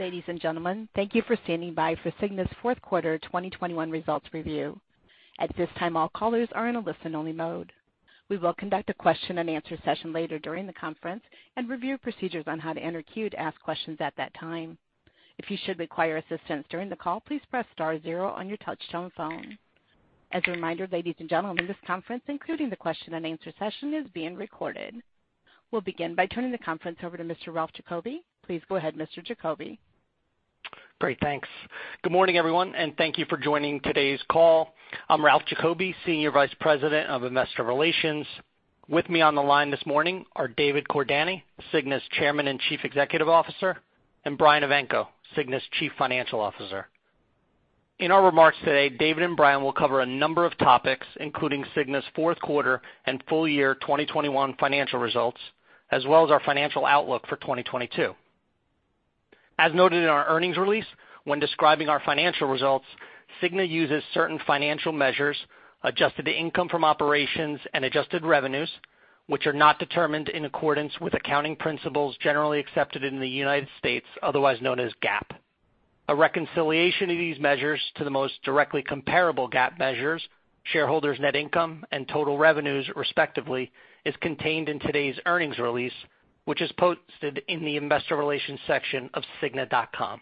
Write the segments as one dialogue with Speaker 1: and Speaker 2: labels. Speaker 1: Ladies and gentlemen, thank you for standing by for Cigna's Q4 2021 Results Review. At this time, all callers are in a listen-only mode. We will conduct a question and answer session later during the conference and review procedures on how to enter queue to ask questions at that time. If you should require assistance during the call, please press star zero on your touchtone phone. As a reminder, ladies and gentlemen, this conference, including the question and answer session, is being recorded. We'll begin by turning the conference over to Mr. Ralph Giacobbe. Please go ahead, Mr. Giacobbe.
Speaker 2: Great, thanks. Good morning, everyone, and thank you for joining today's call. I'm Ralph Giacobbe, Senior Vice President of Investor Relations. With me on the line this morning are David Cordani, Cigna's Chairman and Chief Executive Officer, and Brian Evanko, Cigna's Chief Financial Officer. In our remarks today, David and Brian will cover a number of topics, including Cigna's Q4 and full year 2021 financial results, as well as our financial outlook for 2022. As noted in our earnings release, when describing our financial results, Cigna uses certain financial measures, adjusted income from operations and adjusted revenues, which are not determined in accordance with accounting principles generally accepted in the United States, otherwise known as GAAP. A reconciliation of these measures to the most directly comparable GAAP measures, shareholders' net income and total revenues, respectively, is contained in today's earnings release, which is posted in the investor relations section of cigna.com.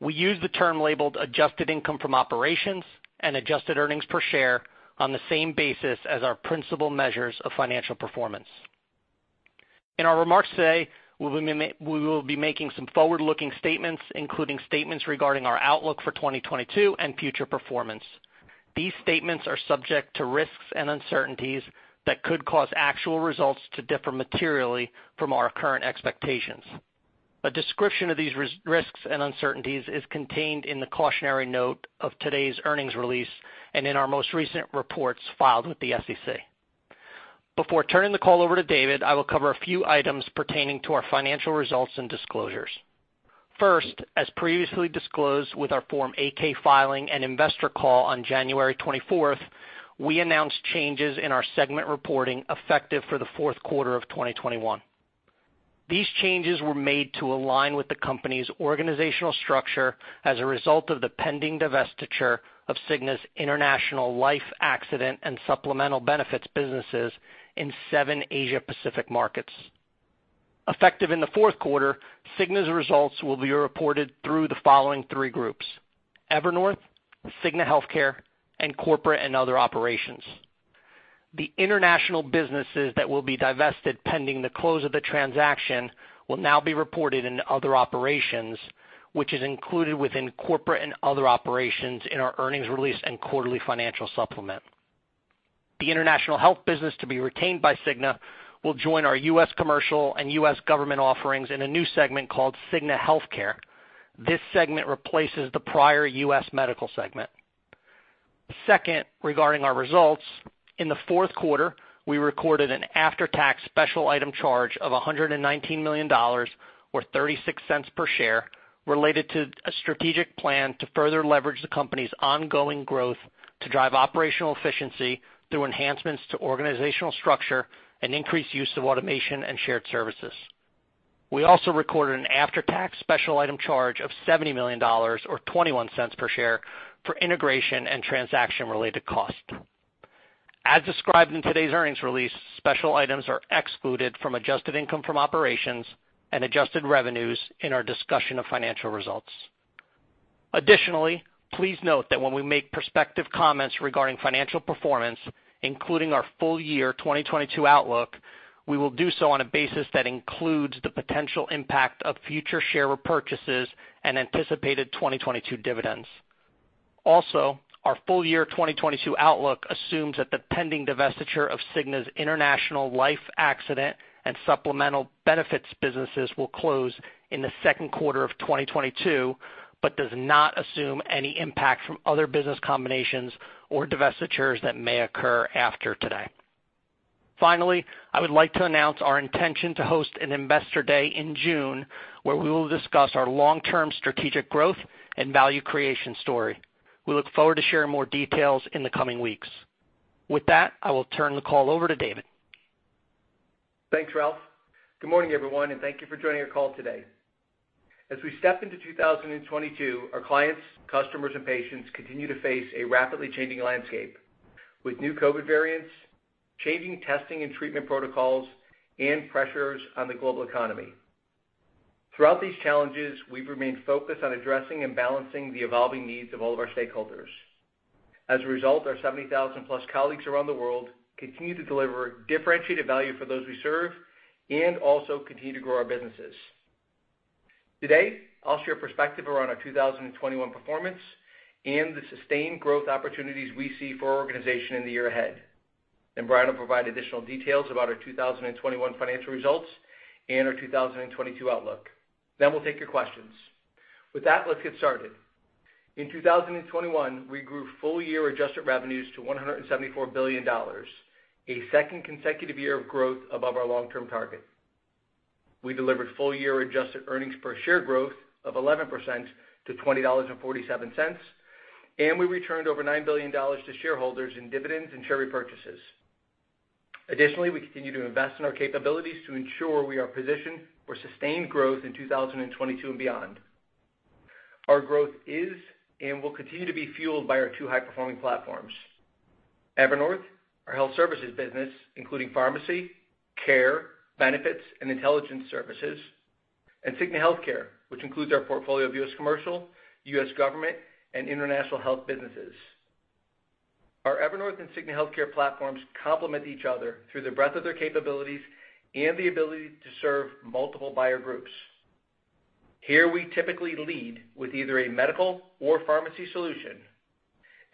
Speaker 2: We use the term labeled adjusted income from operations and adjusted earnings per share on the same basis as our principal measures of financial performance. In our remarks today, we will be making some forward-looking statements, including statements regarding our outlook for 2022 and future performance. These statements are subject to risks and uncertainties that could cause actual results to differ materially from our current expectations. A description of these risks and uncertainties is contained in the cautionary note of today's earnings release and in our most recent reports filed with the SEC. Before turning the call over to David, I will cover a few items pertaining to our financial results and disclosures. First, as previously disclosed with our Form 8-K filing and investor call on January 24, we announced changes in our segment reporting effective for the Q4 of 2021. These changes were made to align with the company's organizational structure as a result of the pending divestiture of Cigna's international life, accident, and supplemental benefits businesses in 7 Asia-Pacific markets. Effective in the Q4, Cigna's results will be reported through the following three groups, Evernorth, Cigna Healthcare, and Corporate and Other Operations. The international businesses that will be divested pending the close of the transaction will now be reported in other operations, which is included within Corporate and Other Operations in our earnings release and quarterly financial supplement. The international health business to be retained by Cigna will join our U.S. commercial and U.S. government offerings in a new segment called Cigna Healthcare. This segment replaces the prior U.S. medical segment. Second, regarding our results, in the Q4, we recorded an after-tax special item charge of $119 million or $0.36 per share related to a strategic plan to further leverage the company's ongoing growth to drive operational efficiency through enhancements to organizational structure and increased use of automation and shared services. We also recorded an after-tax special item charge of $70 million or $0.21 per share for integration and transaction-related costs. As described in today's earnings release, special items are excluded from adjusted income from operations and adjusted revenues in our discussion of financial results. Additionally, please note that when we make prospective comments regarding financial performance, including our full year 2022 outlook, we will do so on a basis that includes the potential impact of future share repurchases and anticipated 2022 dividends. Also, our full year 2022 outlook assumes that the pending divestiture of Cigna's international life, accident, and supplemental benefits businesses will close in the Q2 of 2022, but does not assume any impact from other business combinations or divestitures that may occur after today. Finally, I would like to announce our intention to host an investor day in June, where we will discuss our long-term strategic growth and value creation story. We look forward to sharing more details in the coming weeks. With that, I will turn the call over to David.
Speaker 3: Thanks, Ralph. Good morning, everyone, and thank you for joining our call today. As we step into 2022, our clients, customers, and patients continue to face a rapidly changing landscape with new COVID variants, changing testing and treatment protocols, and pressures on the global economy. Throughout these challenges, we've remained focused on addressing and balancing the evolving needs of all of our stakeholders. As a result, our 70,000-plus colleagues around the world continue to deliver differentiated value for those we serve and also continue to grow our businesses. Today, I'll share perspective around our 2021 performance and the sustained growth opportunities we see for our organization in the year ahead. Then Brian will provide additional details about our 2021 financial results and our 2022 outlook. Then we'll take your questions. With that, let's get started. In 2021, we grew full year adjusted revenues to $174 billion, a second consecutive year of growth above our long-term target. We delivered full year adjusted earnings per share growth of 11% to $20.47, and we returned over $9 billion to shareholders in dividends and share repurchases. Additionally, we continue to invest in our capabilities to ensure we are positioned for sustained growth in 2022 and beyond. Our growth is and will continue to be fueled by our two high-performing platforms. Evernorth, our health services business, including pharmacy, care, benefits, and intelligence services, and Cigna Healthcare, which includes our portfolio of U.S. commercial, U.S. government, and international health businesses. Our Evernorth and Cigna Healthcare platforms complement each other through the breadth of their capabilities and the ability to serve multiple buyer groups. Here, we typically lead with either a medical or pharmacy solution,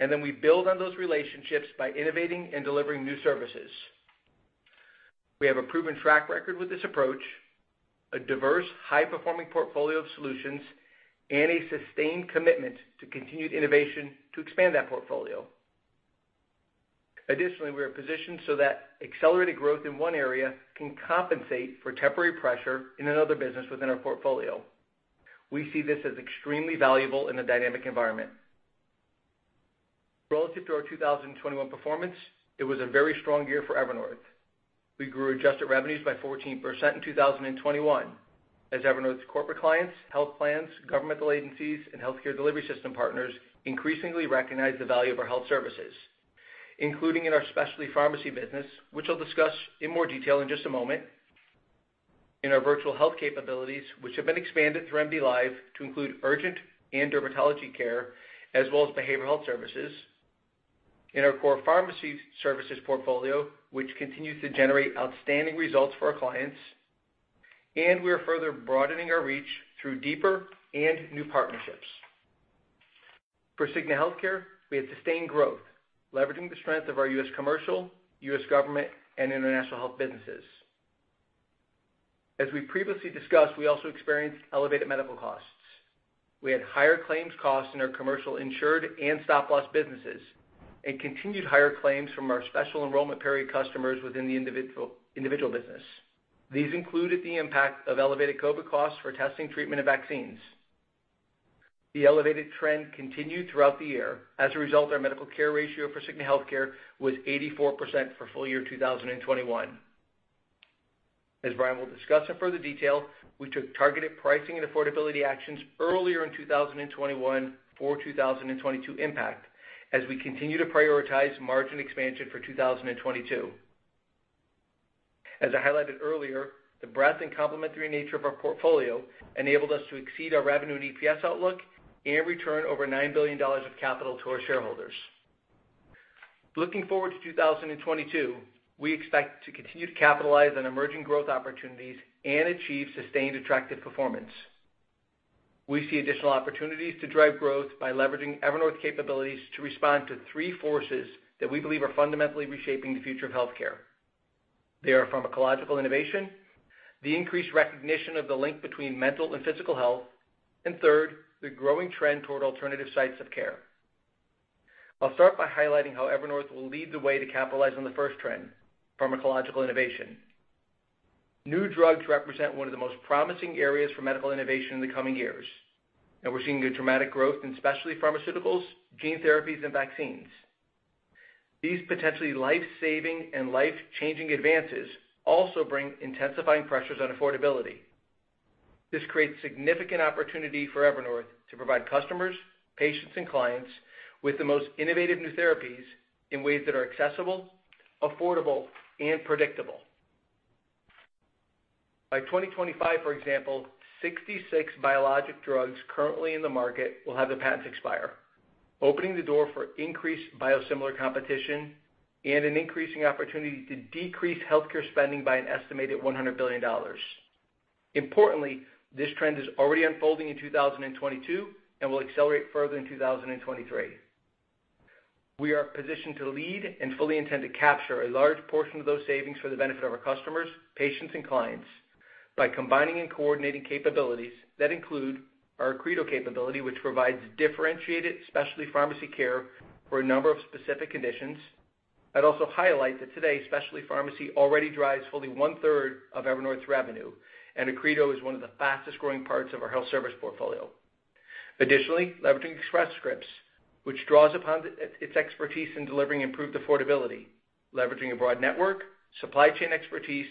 Speaker 3: and then we build on those relationships by innovating and delivering new services. We have a proven track record with this approach, a diverse high-performing portfolio of solutions, and a sustained commitment to continued innovation to expand that portfolio. Additionally, we are positioned so that accelerated growth in one area can compensate for temporary pressure in another business within our portfolio. We see this as extremely valuable in the dynamic environment. Relative to our 2021 performance, it was a very strong year for Evernorth. We grew adjusted revenues by 14% in 2021 as Evernorth's corporate clients, health plans, governmental agencies, and healthcare delivery system partners increasingly recognize the value of our health services, including in our specialty pharmacy business, which I'll discuss in more detail in just a moment. In our virtual health capabilities, which have been expanded through MDLIVE to include urgent and dermatology care as well as behavioral health services. In our core pharmacy services portfolio, which continues to generate outstanding results for our clients, and we are further broadening our reach through deeper and new partnerships. For Cigna Healthcare, we had sustained growth, leveraging the strength of our U.S. commercial, U.S. government, and international health businesses. As we previously discussed, we also experienced elevated medical costs. We had higher claims costs in our commercial insured and stop-loss businesses, and continued higher claims from our Special Enrollment Period customers within the individual business. These included the impact of elevated COVID costs for testing, treatment, and vaccines. The elevated trend continued throughout the year. As a result, our medical care ratio for Cigna Healthcare was 84% for full year 2021. As Brian will discuss in further detail, we took targeted pricing and affordability actions earlier in 2021 for 2022 impact as we continue to prioritize margin expansion for 2022. As I highlighted earlier, the breadth and complementary nature of our portfolio enabled us to exceed our revenue and EPS outlook and return over $9 billion of capital to our shareholders. Looking forward to 2022, we expect to continue to capitalize on emerging growth opportunities and achieve sustained attractive performance. We see additional opportunities to drive growth by leveraging Evernorth capabilities to respond to three forces that we believe are fundamentally reshaping the future of healthcare. They are pharmacological innovation, the increased recognition of the link between mental and physical health, and third, the growing trend toward alternative sites of care. I'll start by highlighting how Evernorth will lead the way to capitalize on the first trend, pharmacological innovation. New drugs represent one of the most promising areas for medical innovation in the coming years, and we're seeing a dramatic growth in specialty pharmaceuticals, gene therapies, and vaccines. These potentially life-saving and life-changing advances also bring intensifying pressures on affordability. This creates significant opportunity for Evernorth to provide customers, patients, and clients with the most innovative new therapies in ways that are accessible, affordable, and predictable. By 2025, for example, 66 biologic drugs currently in the market will have their patents expire, opening the door for increased biosimilar competition and an increasing opportunity to decrease healthcare spending by an estimated $100 billion. Importantly, this trend is already unfolding in 2022 and will accelerate further in 2023. We are positioned to lead and fully intend to capture a large portion of those savings for the benefit of our customers, patients, and clients by combining and coordinating capabilities that include our Accredo capability, which provides differentiated specialty pharmacy care for a number of specific conditions. I'd also highlight that today, Specialty Pharmacy already drives fully 1/3 of Evernorth's revenue, and Accredo is one of the fastest-growing parts of our health service portfolio. Additionally, leveraging Express Scripts, which draws upon its expertise in delivering improved affordability, leveraging a broad network, supply chain expertise,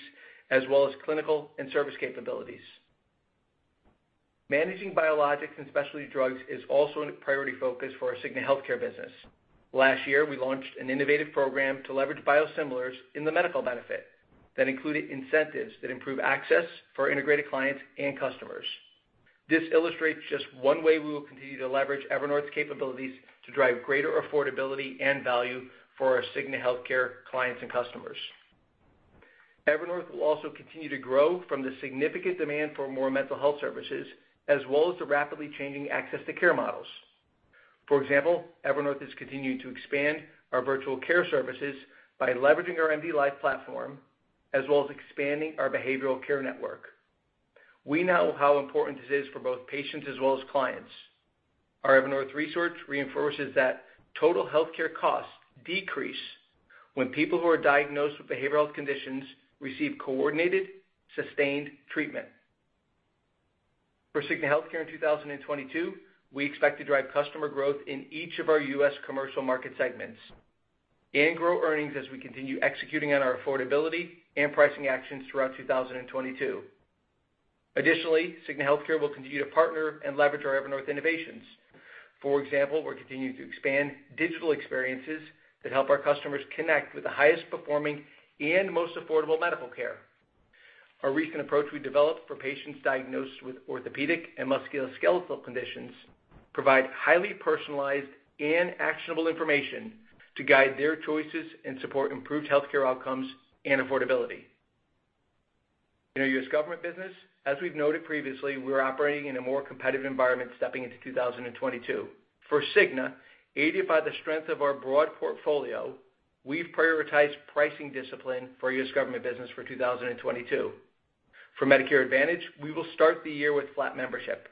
Speaker 3: as well as clinical and service capabilities. Managing biologics and specialty drugs is also a priority focus for our Cigna Healthcare business. Last year, we launched an innovative program to leverage biosimilars in the medical benefit that included incentives that improve access for our integrated clients and customers. This illustrates just one way we will continue to leverage Evernorth's capabilities to drive greater affordability and value for our Cigna Healthcare clients and customers. Evernorth will also continue to grow from the significant demand for more mental health services as well as the rapidly changing access to care models. For example, Evernorth has continued to expand our virtual care services by leveraging our MDLIVE platform, as well as expanding our behavioral care network. We know how important this is for both patients as well as clients. Our Evernorth research reinforces that total healthcare costs decrease when people who are diagnosed with behavioral health conditions receive coordinated, sustained treatment. For Cigna Healthcare in 2022, we expect to drive customer growth in each of our U.S. commercial market segments and grow earnings as we continue executing on our affordability and pricing actions throughout 2022. Additionally, Cigna Healthcare will continue to partner and leverage our Evernorth innovations. For example, we're continuing to expand digital experiences that help our customers connect with the highest performing and most affordable medical care. Our recent approach we developed for patients diagnosed with orthopedic and musculoskeletal conditions provide highly personalized and actionable information to guide their choices and support improved healthcare outcomes and affordability. In our U.S. government business, as we've noted previously, we're operating in a more competitive environment stepping into 2022. For Cigna, aided by the strength of our broad portfolio, we've prioritized pricing discipline for U.S. government business for 2022. For Medicare Advantage, we will start the year with flat membership.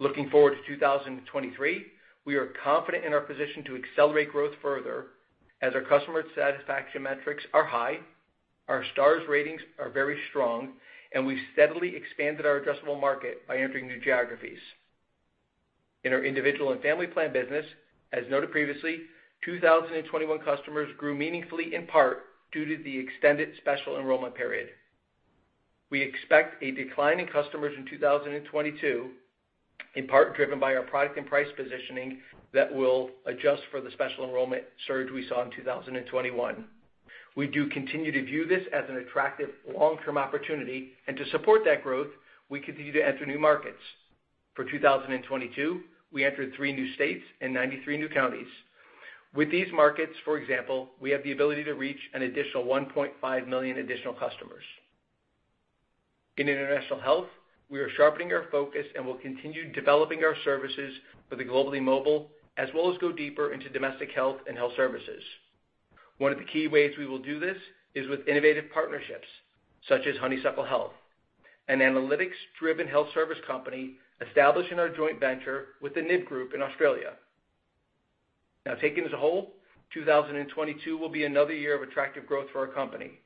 Speaker 3: Looking forward to 2023, we are confident in our position to accelerate growth further as our customer satisfaction metrics are high, our Star Ratings are very strong, and we've steadily expanded our addressable market by entering new geographies. In our Individual and Family Plan business, as noted previously, 2021 customers grew meaningfully in part due to the extended Special Enrollment Period. We expect a decline in customers in 2022, in part driven by our product and price positioning that will adjust for the Special Enrollment Period surge we saw in 2021. We do continue to view this as an attractive long-term opportunity, and to support that growth, we continue to enter new markets. For 2022, we entered three new states and 93 new counties. With these markets, for example, we have the ability to reach an additional 1.5 million additional customers. In international health, we are sharpening our focus, and we'll continue developing our services for the globally mobile, as well as go deeper into domestic health and health services. One of the key ways we will do this is with innovative partnerships, such as Honeysuckle Health, an analytics-driven health service company established in our joint venture with the nib Group in Australia. Now taken as a whole, 2022 will be another year of attractive growth for our company.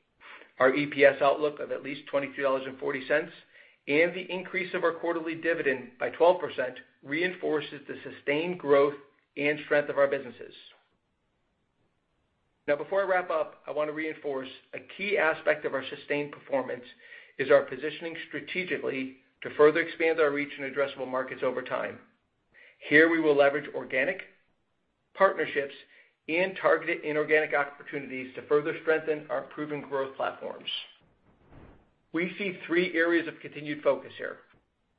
Speaker 3: Our EPS outlook of at least $23.40 and the increase of our quarterly dividend by 12% reinforces the sustained growth and strength of our businesses. Now before I wrap up, I wanna reinforce a key aspect of our sustained performance is our positioning strategically to further expand our reach and addressable markets over time. Here, we will leverage organic partnerships and targeted inorganic opportunities to further strengthen our proven growth platforms. We see three areas of continued focus here.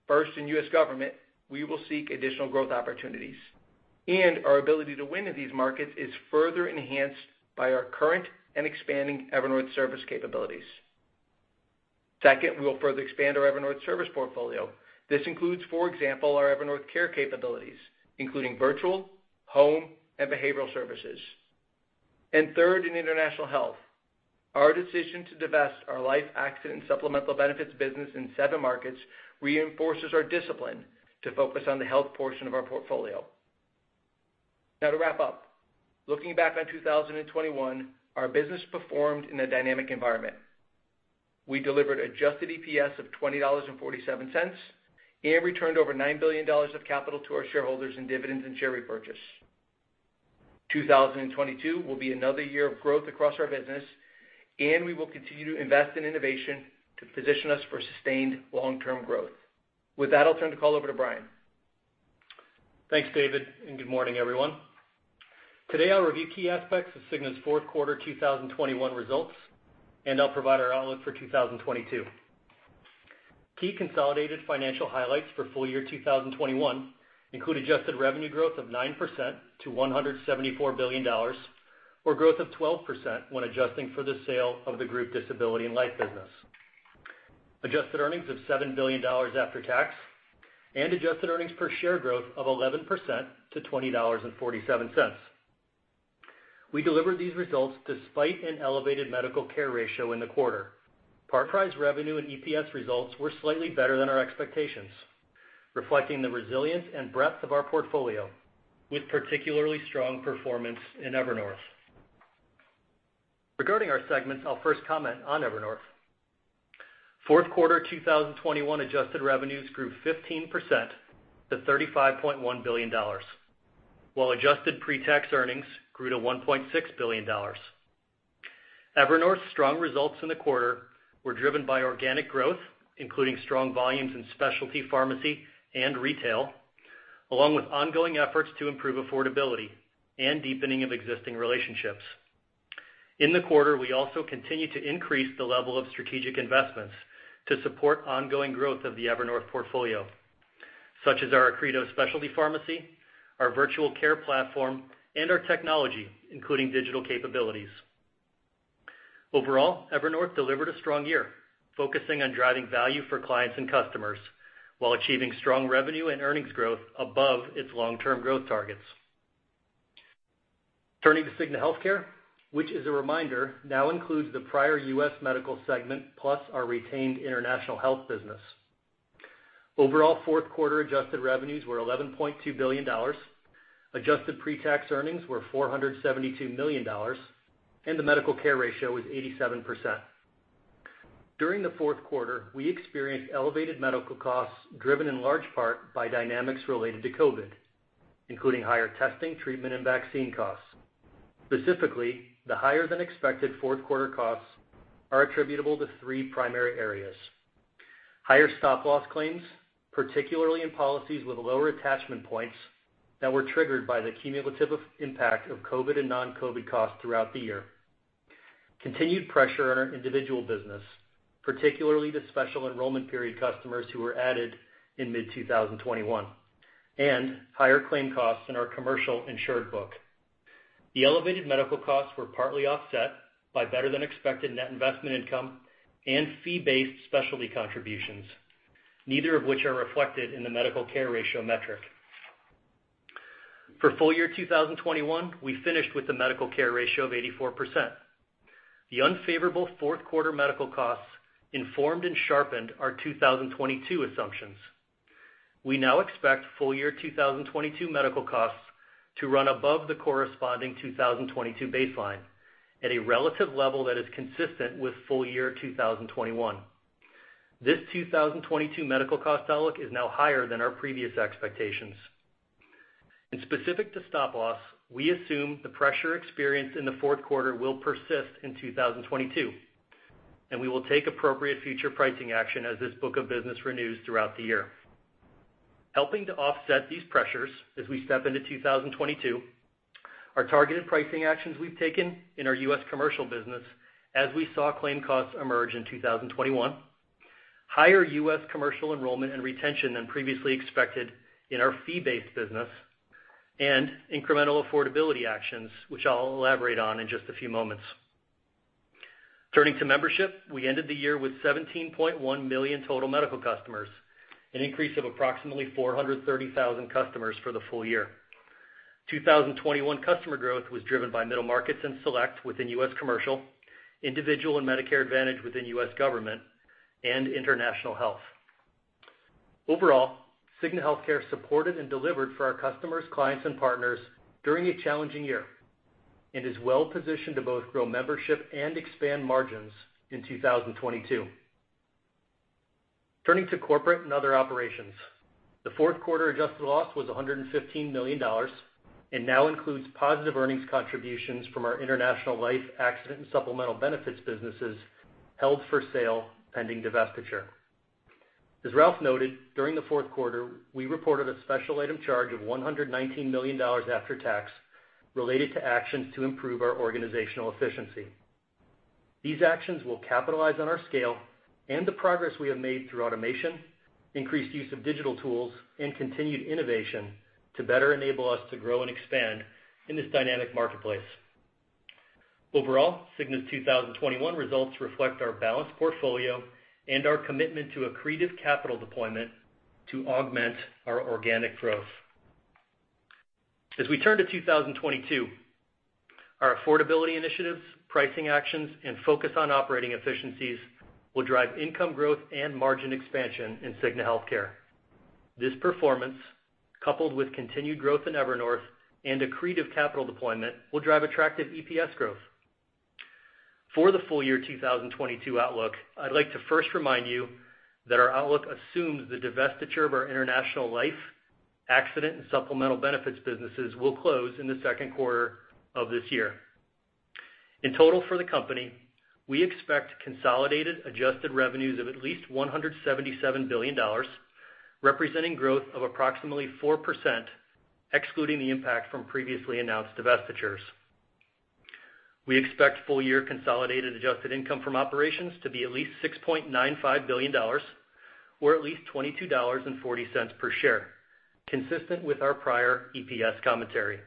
Speaker 3: First, in U.S. government, we will seek additional growth opportunities, and our ability to win in these markets is further enhanced by our current and expanding Evernorth service capabilities. Second, we will further expand our Evernorth service portfolio. This includes, for example, our Evernorth care capabilities, including virtual, home, and behavioral services. Third, in International Health, our decision to divest our life accident and supplemental benefits business in seven markets reinforces our discipline to focus on the health portion of our portfolio. Now to wrap up, looking back on 2021, our business performed in a dynamic environment. We delivered adjusted EPS of $20.47 and returned over $9 billion of capital to our shareholders in dividends and share repurchase. 2022 will be another year of growth across our business, and we will continue to invest in innovation to position us for sustained long-term growth. With that, I'll turn the call over to Brian.
Speaker 4: Thanks, David, and good morning, everyone. Today, I'll review key aspects of Cigna's Q4 2021 results, and I'll provide our outlook for 2022. Key consolidated financial highlights for full year 2021 include adjusted revenue growth of 9% to $174 billion, or growth of 12% when adjusting for the sale of the group disability and life business. Adjusted earnings of $7 billion after tax, and adjusted earnings per share growth of 11% to $20.47. We delivered these results despite an elevated medical care ratio in the quarter. Pre-tax revenue and EPS results were slightly better than our expectations, reflecting the resilience and breadth of our portfolio, with particularly strong performance in Evernorth. Regarding our segments, I'll first comment on Evernorth. Q4 2021 adjusted revenues grew 15% to $35.1 billion, while adjusted pre-tax earnings grew to $1.6 billion. Evernorth's strong results in the quarter were driven by organic growth, including strong volumes in specialty pharmacy and retail, along with ongoing efforts to improve affordability and deepening of existing relationships. In the quarter, we also continued to increase the level of strategic investments to support ongoing growth of the Evernorth portfolio, such as our Accredo specialty pharmacy, our virtual care platform, and our technology, including digital capabilities. Overall, Evernorth delivered a strong year, focusing on driving value for clients and customers while achieving strong revenue and earnings growth above its long-term growth targets. Turning to Cigna Healthcare, which as a reminder, now includes the prior U.S. medical segment, plus our retained international health business. Overall, Q4 adjusted revenues were $11.2 billion. Adjusted pre-tax earnings were $472 million, and the medical care ratio was 87%. During the Q4, we experienced elevated medical costs driven in large part by dynamics related to COVID, including higher testing, treatment, and vaccine costs. Specifically, the higher than expected Q4 costs are attributable to three primary areas. Higher stop-loss claims, particularly in policies with lower attachment points that were triggered by the cumulative impact of COVID and non-COVID costs throughout the year. Continued pressure on our individual business, particularly the Special Enrollment Period customers who were added in mid-2021, and higher claim costs in our commercial insured book. The elevated medical costs were partly offset by better than expected net investment income and fee-based specialty contributions, neither of which are reflected in the medical care ratio metric. For full year 2021, we finished with the medical care ratio of 84%. The unfavorable Q4 medical costs informed and sharpened our 2022 assumptions. We now expect full year 2022 medical costs to run above the corresponding 2022 baseline at a relative level that is consistent with full year 2021. This 2022 medical cost outlook is now higher than our previous expectations. Specific to stop-loss, we assume the pressure experienced in the Q4 will persist in 2022, and we will take appropriate future pricing action as this book of business renews throughout the year. Helping to offset these pressures as we step into 2022, our targeted pricing actions we've taken in our U.S. commercial business as we saw claim costs emerge in 2021, higher U.S. commercial enrollment and retention than previously expected in our fee-based business, and incremental affordability actions, which I'll elaborate on in just a few moments. Turning to membership, we ended the year with 17.1 million total medical customers, an increase of approximately 430,000 customers for the full year. 2021 customer growth was driven by middle markets and select within U.S. commercial, individual and Medicare Advantage within U.S. government and International Health. Overall, Cigna Healthcare supported and delivered for our customers, clients, and partners during a challenging year and is well-positioned to both grow membership and expand margins in 2022. Turning to Corporate and Other Operations. The Q4 adjusted loss was $115 million and now includes positive earnings contributions from our international life, accident, and supplemental benefits businesses held for sale pending divestiture. As Ralph noted, during the Q4, we reported a special item charge of $119 million after tax related to actions to improve our organizational efficiency. These actions will capitalize on our scale and the progress we have made through automation, increased use of digital tools, and continued innovation to better enable us to grow and expand in this dynamic marketplace. Overall, Cigna's 2021 results reflect our balanced portfolio and our commitment to accretive capital deployment to augment our organic growth. As we turn to 2022, our affordability initiatives, pricing actions, and focus on operating efficiencies will drive income growth and margin expansion in Cigna Healthcare. This performance, coupled with continued growth in Evernorth and accretive capital deployment, will drive attractive EPS growth. For the full year 2022 outlook, I'd like to first remind you that our outlook assumes the divestiture of our international life, accident, and supplemental benefits businesses will close in the Q2 of this year. In total for the company, we expect consolidated adjusted revenues of at least $177 billion, representing growth of approximately 4%, excluding the impact from previously announced divestitures. We expect full year consolidated adjusted income from operations to be at least $6.95 billion, or at least $22.40 per share, consistent with our prior EPS commentary.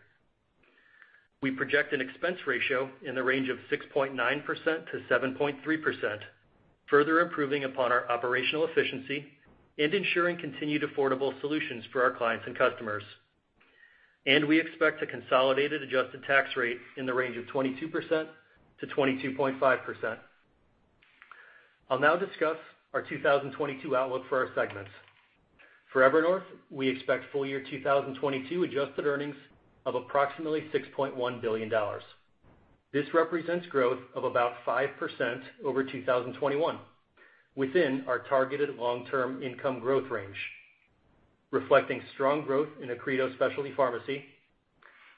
Speaker 4: We project an expense ratio in the range of 6.9%-7.3%, further improving upon our operational efficiency and ensuring continued affordable solutions for our clients and customers. We expect a consolidated adjusted tax rate in the range of 22%-22.5%. I'll now discuss our 2022 outlook for our segments. For Evernorth, we expect full year 2022 adjusted earnings of approximately $6.1 billion. This represents growth of about 5% over 2021 within our targeted long-term income growth range, reflecting strong growth in Accredo Specialty Pharmacy,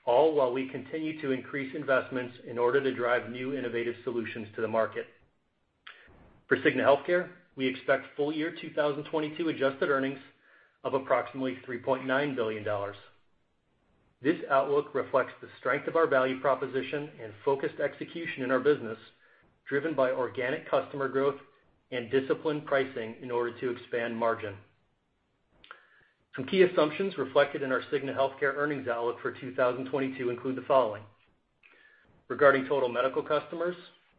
Speaker 4: all while we continue to increase investments in order to drive new innovative solutions to the market. For Cigna Healthcare, we expect full year 2022 adjusted earnings of approximately $3.9 billion. This outlook reflects the strength of our value proposition and focused execution in our business, driven by organic customer growth and disciplined pricing in order to expand margin. Some key assumptions reflected in our Cigna Healthcare earnings outlook for 2022 include the following. Regarding total medical customers,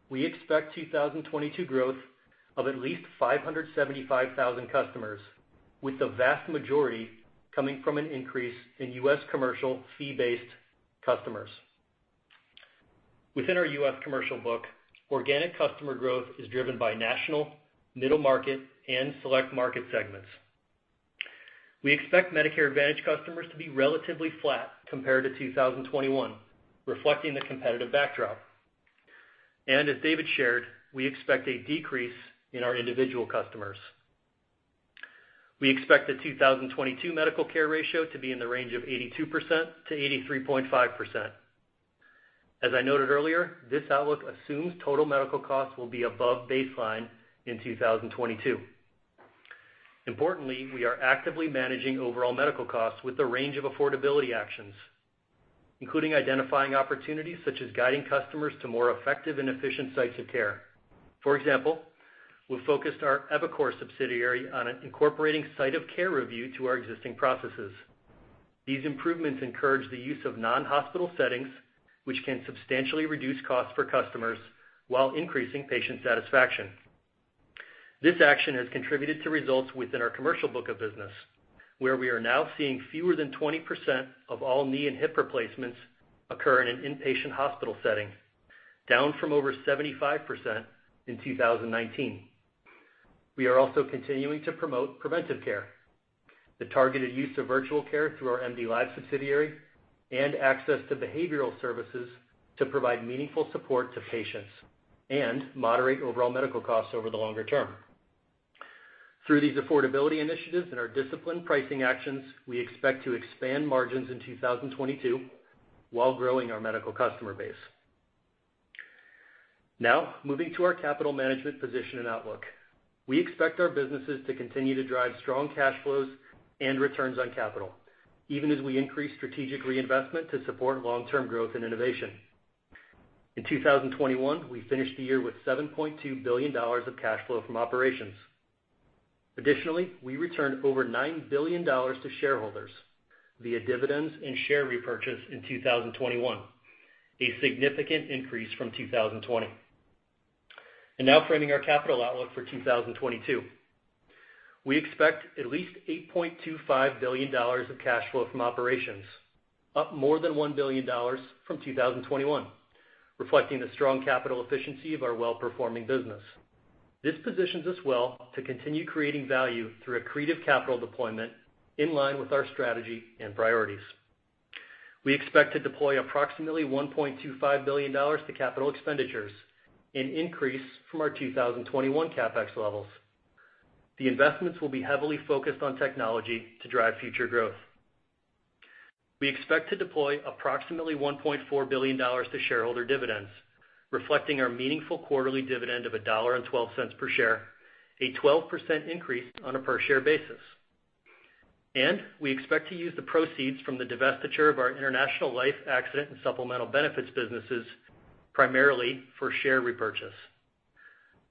Speaker 4: we expect 2022 growth of at least 575,000 customers, with the vast majority coming from an increase in U.S. commercial fee-based customers. Within our U.S. commercial book, organic customer growth is driven by national, middle market, and select market segments. We expect Medicare Advantage customers to be relatively flat compared to 2021, reflecting the competitive backdrop. As David shared, we expect a decrease in our individual customers. We expect the 2022 medical care ratio to be in the range of 82%-83.5%. As I noted earlier, this outlook assumes total medical costs will be above baseline in 2022. Importantly, we are actively managing overall medical costs with a range of affordability actions, including identifying opportunities such as guiding customers to more effective and efficient sites of care. For example, we've focused our eviCore subsidiary on incorporating site of care review to our existing processes. These improvements encourage the use of non-hospital settings, which can substantially reduce costs for customers while increasing patient satisfaction. This action has contributed to results within our commercial book of business, where we are now seeing fewer than 20% of all knee and hip replacements occur in an inpatient hospital setting, down from over 75% in 2019. We are also continuing to promote preventive care, the targeted use of virtual care through our MDLIVE subsidiary, and access to behavioral services to provide meaningful support to patients and moderate overall medical costs over the longer term. Through these affordability initiatives and our disciplined pricing actions, we expect to expand margins in 2022 while growing our medical customer base. Now moving to our capital management position and outlook. We expect our businesses to continue to drive strong cash flows and returns on capital, even as we increase strategic reinvestment to support long-term growth and innovation. In 2021, we finished the year with $7.2 billion of cash flow from operations. Additionally, we returned over $9 billion to shareholders via dividends and share repurchase in 2021, a significant increase from 2020. Now framing our capital outlook for 2022. We expect at least $8.25 billion of cash flow from operations, up more than $1 billion from 2021, reflecting the strong capital efficiency of our well-performing business. This positions us well to continue creating value through accretive capital deployment in line with our strategy and priorities. We expect to deploy approximately $1.25 billion to capital expenditures, an increase from our 2021 CapEx levels. The investments will be heavily focused on technology to drive future growth. We expect to deploy approximately $1.4 billion to shareholder dividends, reflecting our meaningful quarterly dividend of $1.12 per share, a 12% increase on a per share basis. We expect to use the proceeds from the divestiture of our international life, accident, and supplemental benefits businesses primarily for share repurchase.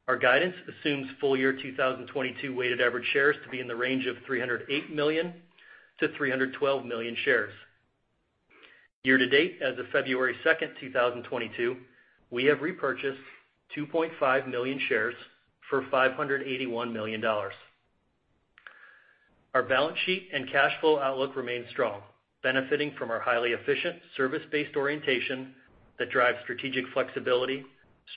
Speaker 4: Our guidance assumes full year 2022 weighted average shares to be in the range of 308 million-312 million shares. Year-to-date, as of February 2, 2022, we have repurchased 2.5 million shares for $581 million. Our balance sheet and cash flow outlook remain strong, benefiting from our highly efficient service-based orientation that drives strategic flexibility,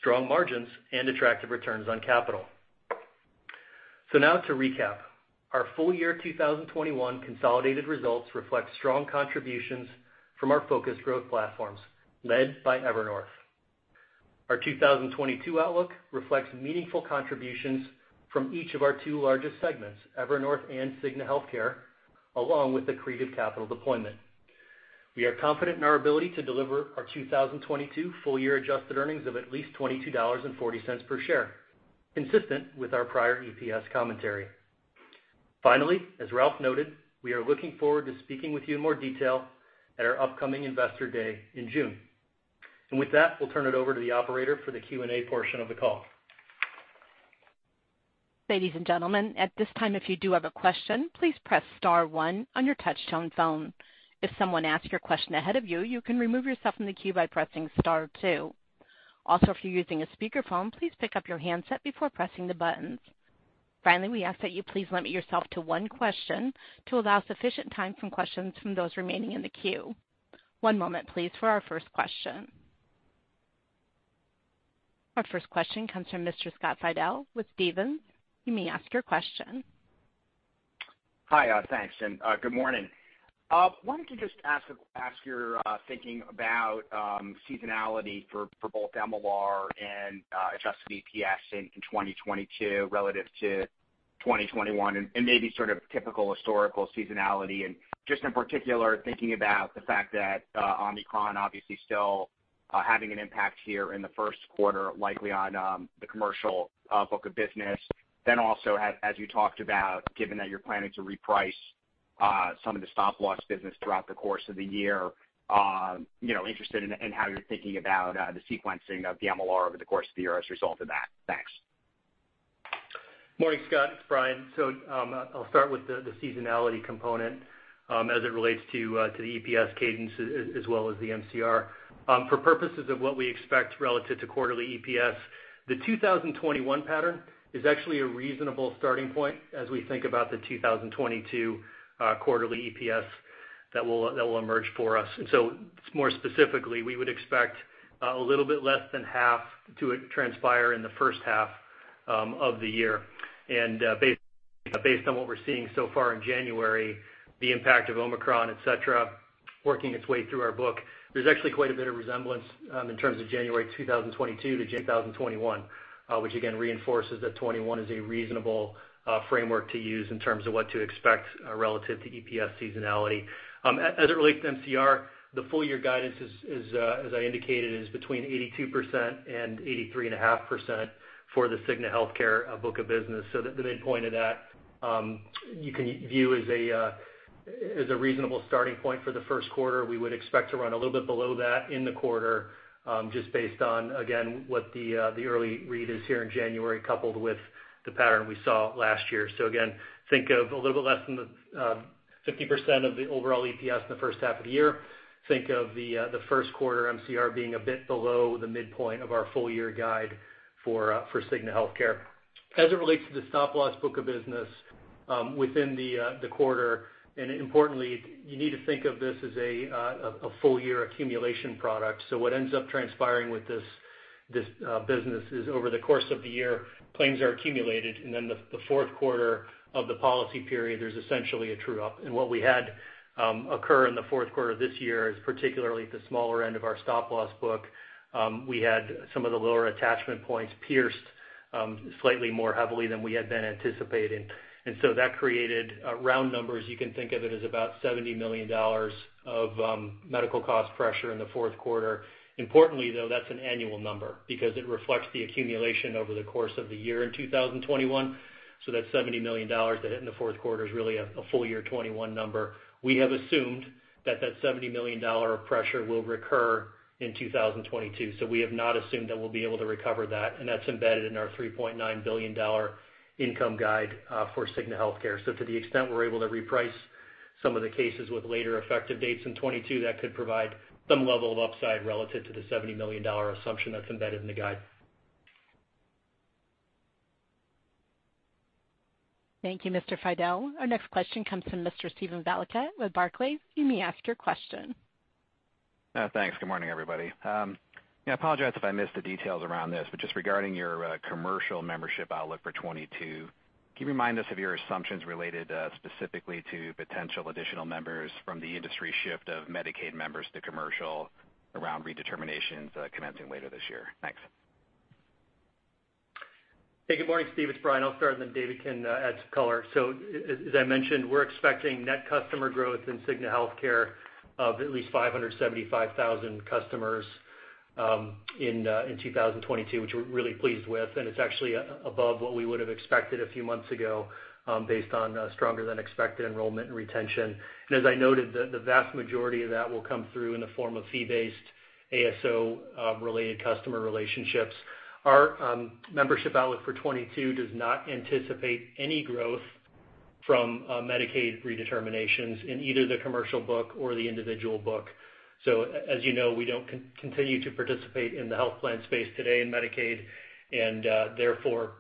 Speaker 4: strong margins, and attractive returns on capital. Now to recap. Our full year 2021 consolidated results reflect strong contributions from our focused growth platforms led by Evernorth. Our 2022 outlook reflects meaningful contributions from each of our two largest segments, Evernorth and Cigna Healthcare, along with accretive capital deployment. We are confident in our ability to deliver our 2022 full year adjusted earnings of at least $22.40 per share, consistent with our prior EPS commentary. Finally, as Ralph noted, we are looking forward to speaking with you in more detail at our upcoming Investor Day in June. With that, we'll turn it over to the operator for the Q&A portion of the call.
Speaker 1: Ladies and gentlemen, at this time, if you do have a question, please press star one on your touch-tone phone. If someone asks your question ahead of you can remove yourself from the queue by pressing star two. Also, if you're using a speakerphone, please pick up your handset before pressing the buttons. Finally, we ask that you please limit yourself to one question to allow sufficient time for questions from those remaining in the queue. One moment, please, for our first question. Our first question comes from Mr. Scott Fidel with Stephens. You may ask your question.
Speaker 5: Hi, thanks, good morning. Wanted to just ask your thinking about seasonality for both MLR and adjusted EPS in 2022 relative to 2021 and maybe sort of typical historical seasonality. Just in particular, thinking about the fact that Omicron obviously still having an impact here in the Q1, likely on the commercial book of business. Also as you talked about, given that you're planning to reprice some of the stop-loss business throughout the course of the year, you know, interested in how you're thinking about the sequencing of the MLR over the course of the year as a result of that. Thanks.
Speaker 4: Morning, Scott. It's Brian. I'll start with the seasonality component as it relates to the EPS cadence as well as the MCR. For purposes of what we expect relative to quarterly EPS, the 2021 pattern is actually a reasonable starting point as we think about the 2022 quarterly EPS that will emerge for us. More specifically, we would expect a little bit less than half to transpire in the first half of the year. Based on what we're seeing so far in January, the impact of Omicron, et cetera, working its way through our book, there's actually quite a bit of resemblance in terms of January 2022 to January 2021, which again reinforces that 2021 is a reasonable framework to use in terms of what to expect relative to EPS seasonality. As it relates to MCR, the full year guidance is, as I indicated, between 82% and 83.5% for the Cigna Healthcare book of business. The midpoint of that you can view as a reasonable starting point for the Q1. We would expect to run a little bit below that in the quarter, just based on, again, what the early read is here in January, coupled with the pattern we saw last year. Again, think of a little bit less than the 50% of the overall EPS in the first half of the year. Think of the Q1 MCR being a bit below the midpoint of our full year guide for Cigna Healthcare. As it relates to the stop-loss book of business, within the quarter, and importantly, you need to think of this as a full year accumulation product. What ends up transpiring with this business is over the course of the year, claims are accumulated, and then the Q4 of the policy period, there's essentially a true up. What we had occur in the Q4 this year is particularly at the smaller end of our stop-loss book. We had some of the lower attachment points pierced slightly more heavily than we had been anticipating. That created round numbers. You can think of it as about $70 million of medical cost pressure in the Q4. Importantly, though, that's an annual number because it reflects the accumulation over the course of the year in 2021. That $70 million that hit in the Q4 is really a full year 2021 number. We have assumed that that $70 million pressure will recur in 2022. We have not assumed that we'll be able to recover that, and that's embedded in our $3.9 billion income guide for Cigna Healthcare. To the extent we're able to reprice some of the cases with later effective dates in 2022, that could provide some level of upside relative to the $70 million assumption that's embedded in the guide.
Speaker 1: Thank you, Mr. Fidel. Our next question comes from Mr. Steven Valiquette with Barclays. You may ask your question.
Speaker 6: Thanks. Good morning, everybody. Yeah, I apologize if I missed the details around this, but just regarding your commercial membership outlook for 2022, can you remind us of your assumptions related specifically to potential additional members from the industry shift of Medicaid members to commercial around redeterminations commencing later this year? Thanks.
Speaker 4: Hey, good morning, Steve. It's Brian. I'll start, and then David can add some color. As I mentioned, we're expecting net customer growth in Cigna Healthcare of at least 575,000 customers in 2022, which we're really pleased with. It's actually above what we would have expected a few months ago, based on stronger than expected enrollment and retention. As I noted, the vast majority of that will come through in the form of fee-based ASO related customer relationships. Our membership outlook for 2022 does not anticipate any growth from Medicaid redeterminations in either the commercial book or the individual book. As you know, we don't continue to participate in the health plan space today in Medicaid, and therefore,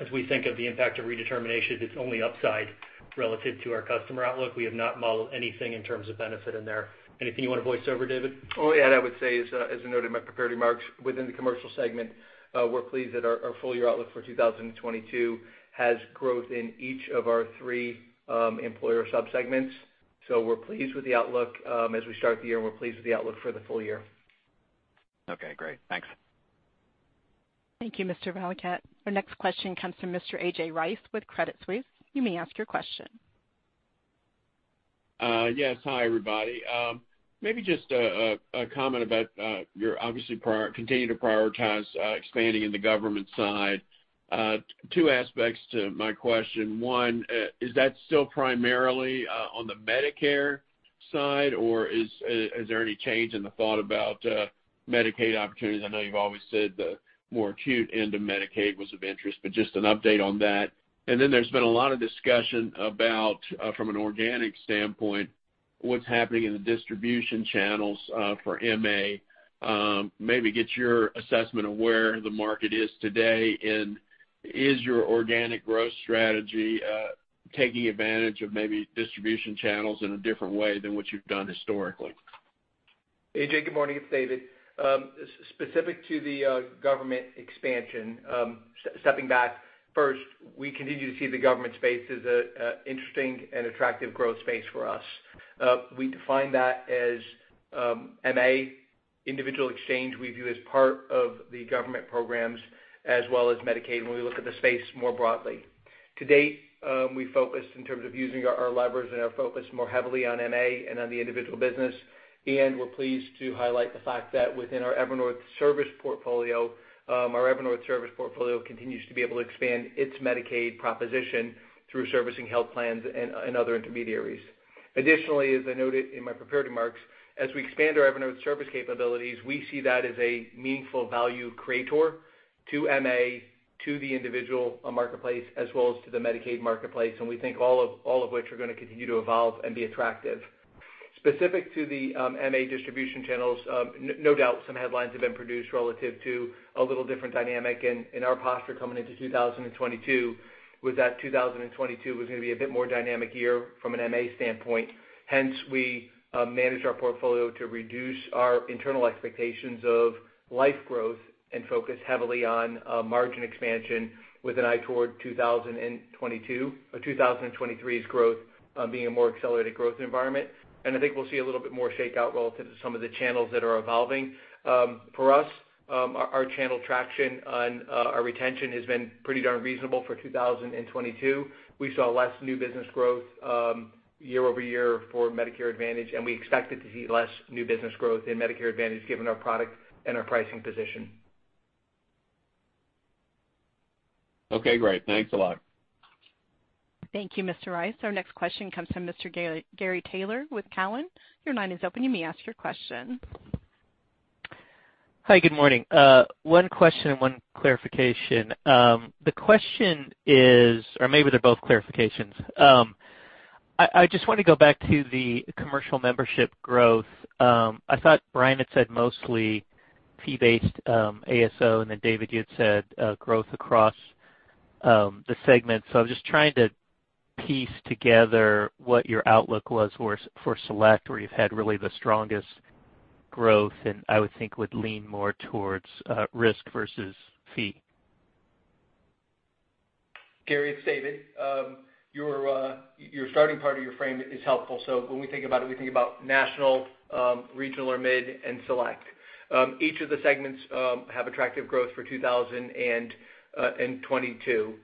Speaker 4: as we think of the impact of redetermination, it's only upside relative to our customer outlook. We have not modeled anything in terms of benefit in there. Anything you want to voice over, David?
Speaker 3: only add I would say is, as I noted in my prepared remarks, within the commercial segment, we're pleased that our full year outlook for 2022 has growth in each of our three employer subsegments. We're pleased with the outlook as we start the year, and we're pleased with the outlook for the full year.
Speaker 6: Okay, great. Thanks.
Speaker 1: Thank you, Mr. Valiquette. Our next question comes from Mr. A.J. Rice with Credit Suisse. You may ask your question.
Speaker 7: Yes. Hi, everybody. Maybe just a comment about your obviously continue to prioritize expanding in the government side. Two aspects to my question. One is that still primarily on the Medicare side, or has there any change in the thought about Medicaid opportunities? I know you've always said the more acute end of Medicaid was of interest, but just an update on that. Then there's been a lot of discussion about from an organic standpoint, what's happening in the distribution channels for MA. Maybe get your assessment of where the market is today, and is your organic growth strategy taking advantage of maybe distribution channels in a different way than what you've done historically?
Speaker 3: A.J., good morning. It's David. Specific to the government expansion, stepping back first, we continue to see the government space as an interesting and attractive growth space for us. We define that as MA. Individual exchange we view as part of the government programs as well as Medicaid when we look at the space more broadly. To date, we focused in terms of using our levers and our focus more heavily on MA and on the individual business. We're pleased to highlight the fact that within our Evernorth service portfolio, our Evernorth service portfolio continues to be able to expand its Medicaid proposition through servicing health plans and other intermediaries. Additionally, as I noted in my prepared remarks, as we expand our Evernorth service capabilities, we see that as a meaningful value creator to MA, to the individual marketplace, as well as to the Medicaid marketplace, and we think all of which are gonna continue to evolve and be attractive. Specific to the MA distribution channels, no doubt some headlines have been produced relative to a little different dynamic in our posture coming into 2022, was that 2022 was gonna be a bit more dynamic year from an MA standpoint. Hence, we managed our portfolio to reduce our internal expectations of lives growth and focus heavily on margin expansion with an eye toward 2022 or 2023's growth being a more accelerated growth environment. I think we'll see a little bit more shakeout relative to some of the channels that are evolving. For us, our channel traction and our retention has been pretty darn reasonable for 2022. We saw less new business growth year-over-year for Medicare Advantage, and we expected to see less new business growth in Medicare Advantage given our product and our pricing position.
Speaker 7: Okay, great. Thanks a lot.
Speaker 1: Thank you, Mr. Rice. Our next question comes from Mr. Gary Taylor with Cowen. Your line is open. You may ask your question.
Speaker 8: Hi, good morning. One question and one clarification. Or maybe they're both clarifications. I just wanna go back to the commercial membership growth. I thought Brian had said mostly fee-based, ASO, and then David, you had said growth across the segment. I'm just trying to piece together what your outlook was for Select, where you've had really the strongest growth, and I would think would lean more towards risk versus fee.
Speaker 3: Gary, it's David. Your starting part of your frame is helpful. When we think about it, we think about national, regional or mid, and select. Each of the segments have attractive growth for 2022,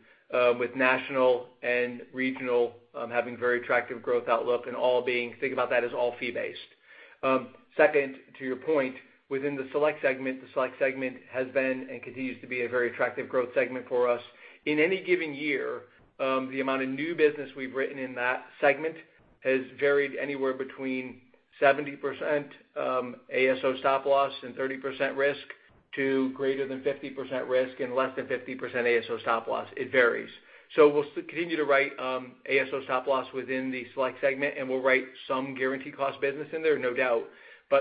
Speaker 3: with national and regional having very attractive growth outlook and all being. Think about that as all fee-based. Second, to your point, within the Select segment, the Select segment has been and continues to be a very attractive growth segment for us. In any given year, the amount of new business we've written in that segment has varied anywhere between 70% ASO stop loss and 30% risk to greater than 50% risk and less than 50% ASO stop loss. It varies. We'll continue to write ASO stop-loss within the Select segment, and we'll write some guaranteed cost business in there, no doubt.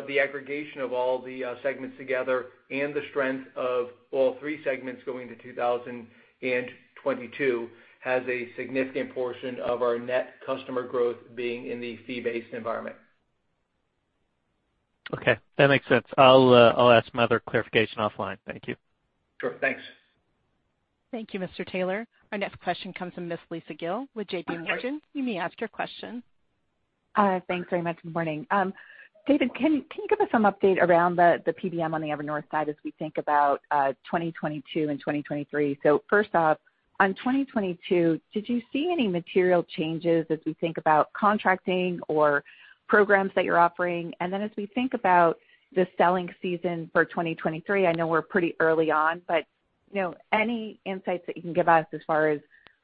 Speaker 3: The aggregation of all the segments together and the strength of all three segments going to 2022 has a significant portion of our net customer growth being in the fee-based environment.
Speaker 8: Okay, that makes sense. I'll ask my other clarification offline. Thank you.
Speaker 3: Sure. Thanks.
Speaker 1: Thank you, Mr. Taylor. Our next question comes from Lisa Gill with J.P. Morgan.
Speaker 3: All right.
Speaker 1: You may ask your question.
Speaker 9: Thanks very much. Good morning. David, can you give us some update around the PBM on the Evernorth side as we think about 2022 and 2023? First off, on 2022, did you see any material changes as we think about contracting or programs that you're offering? Then as we think about the selling season for 2023, I know we're pretty early on, but you know, any insights that you can give us as far as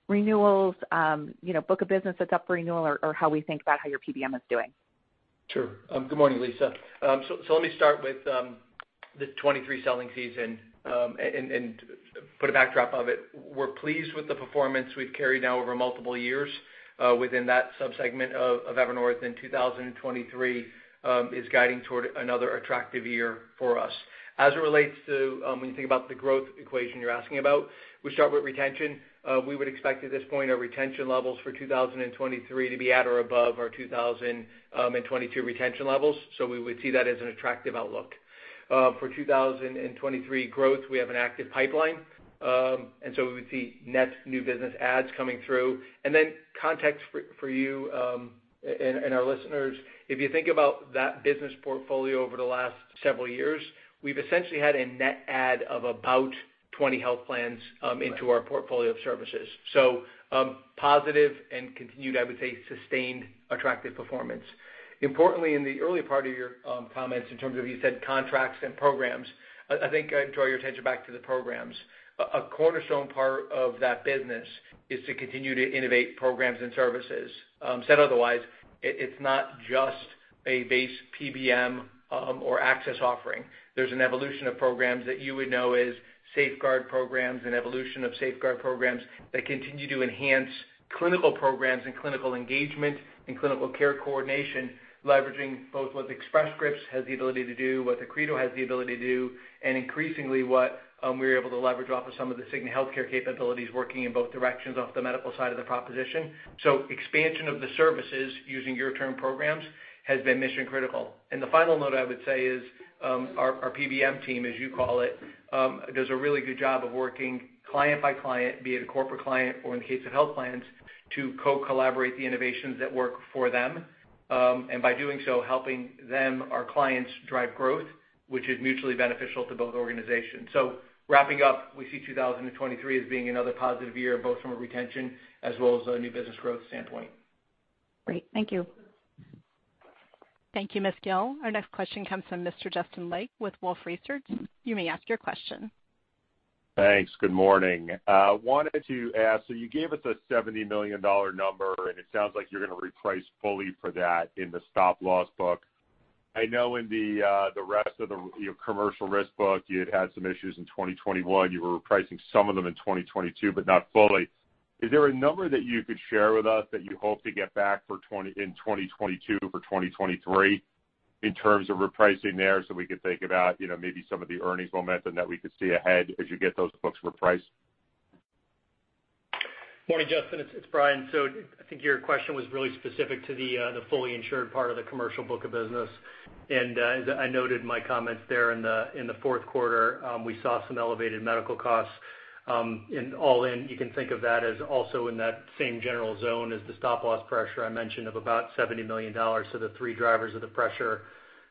Speaker 9: renewals, you know, book of business that's up for renewal or how we think about how your PBM is doing.
Speaker 3: Sure. Good morning, Lisa. Let me start with the 2023 selling season and put a backdrop of it. We're pleased with the performance we've carried now over multiple years within that sub-segment of Evernorth in 2023 is guiding toward another attractive year for us. As it relates to when you think about the growth equation you're asking about, we start with retention. We would expect at this point our retention levels for 2023 to be at or above our 2022 retention levels. We would see that as an attractive outlook. For 2023 growth, we have an active pipeline. We would see net new business adds coming through. Context for you and our listeners, if you think about that business portfolio over the last several years, we've essentially had a net add of about 20 health plans into our portfolio of services. Positive and continued, I would say, sustained attractive performance. Importantly, in the early part of your comments in terms of you said contracts and programs, I think I'd draw your attention back to the programs. A cornerstone part of that business is to continue to innovate programs and services. Said otherwise, it's not just a base PBM or access offering. There's an evolution of programs that you would know as SafeGuardRx programs and evolution of SafeGuardRx programs that continue to enhance clinical programs and clinical engagement and clinical care coordination, leveraging both what Express Scripts has the ability to do, what Accredo has the ability to do, and increasingly what we're able to leverage off of some of the Cigna Healthcare capabilities working in both directions off the medical side of the proposition. Expansion of the services using your term programs has been mission critical. The final note I would say is, our PBM team, as you call it, does a really good job of working client by client, be it a corporate client or in the case of health plans, to co-collaborate the innovations that work for them. By doing so, helping them, our clients, drive growth, which is mutually beneficial to both organizations. Wrapping up, we see 2023 as being another positive year, both from a retention as well as a new business growth standpoint.
Speaker 9: Great. Thank you.
Speaker 1: Thank you, Ms. Gill. Our next question comes from Mr. Justin Lake with Wolfe Research. You may ask your question.
Speaker 10: Thanks. Good morning. Wanted to ask, so you gave us a $70 million number, and it sounds like you're gonna reprice fully for that in the stop-loss book. I know in the rest of your commercial risk book, you'd had some issues in 2021. You were repricing some of them in 2022, but not fully. Is there a number that you could share with us that you hope to get back for in 2022 over 2023 in terms of repricing there, so we could think about, you know, maybe some of the earnings momentum that we could see ahead as you get those books repriced?
Speaker 4: Morning, Justin. It's Brian. I think your question was really specific to the fully insured part of the commercial book of business. As I noted in my comments there in the Q4, we saw some elevated medical costs in all, and you can think of that as also in that same general zone as the stop-loss pressure I mentioned of about $70 million. The three drivers of the pressure,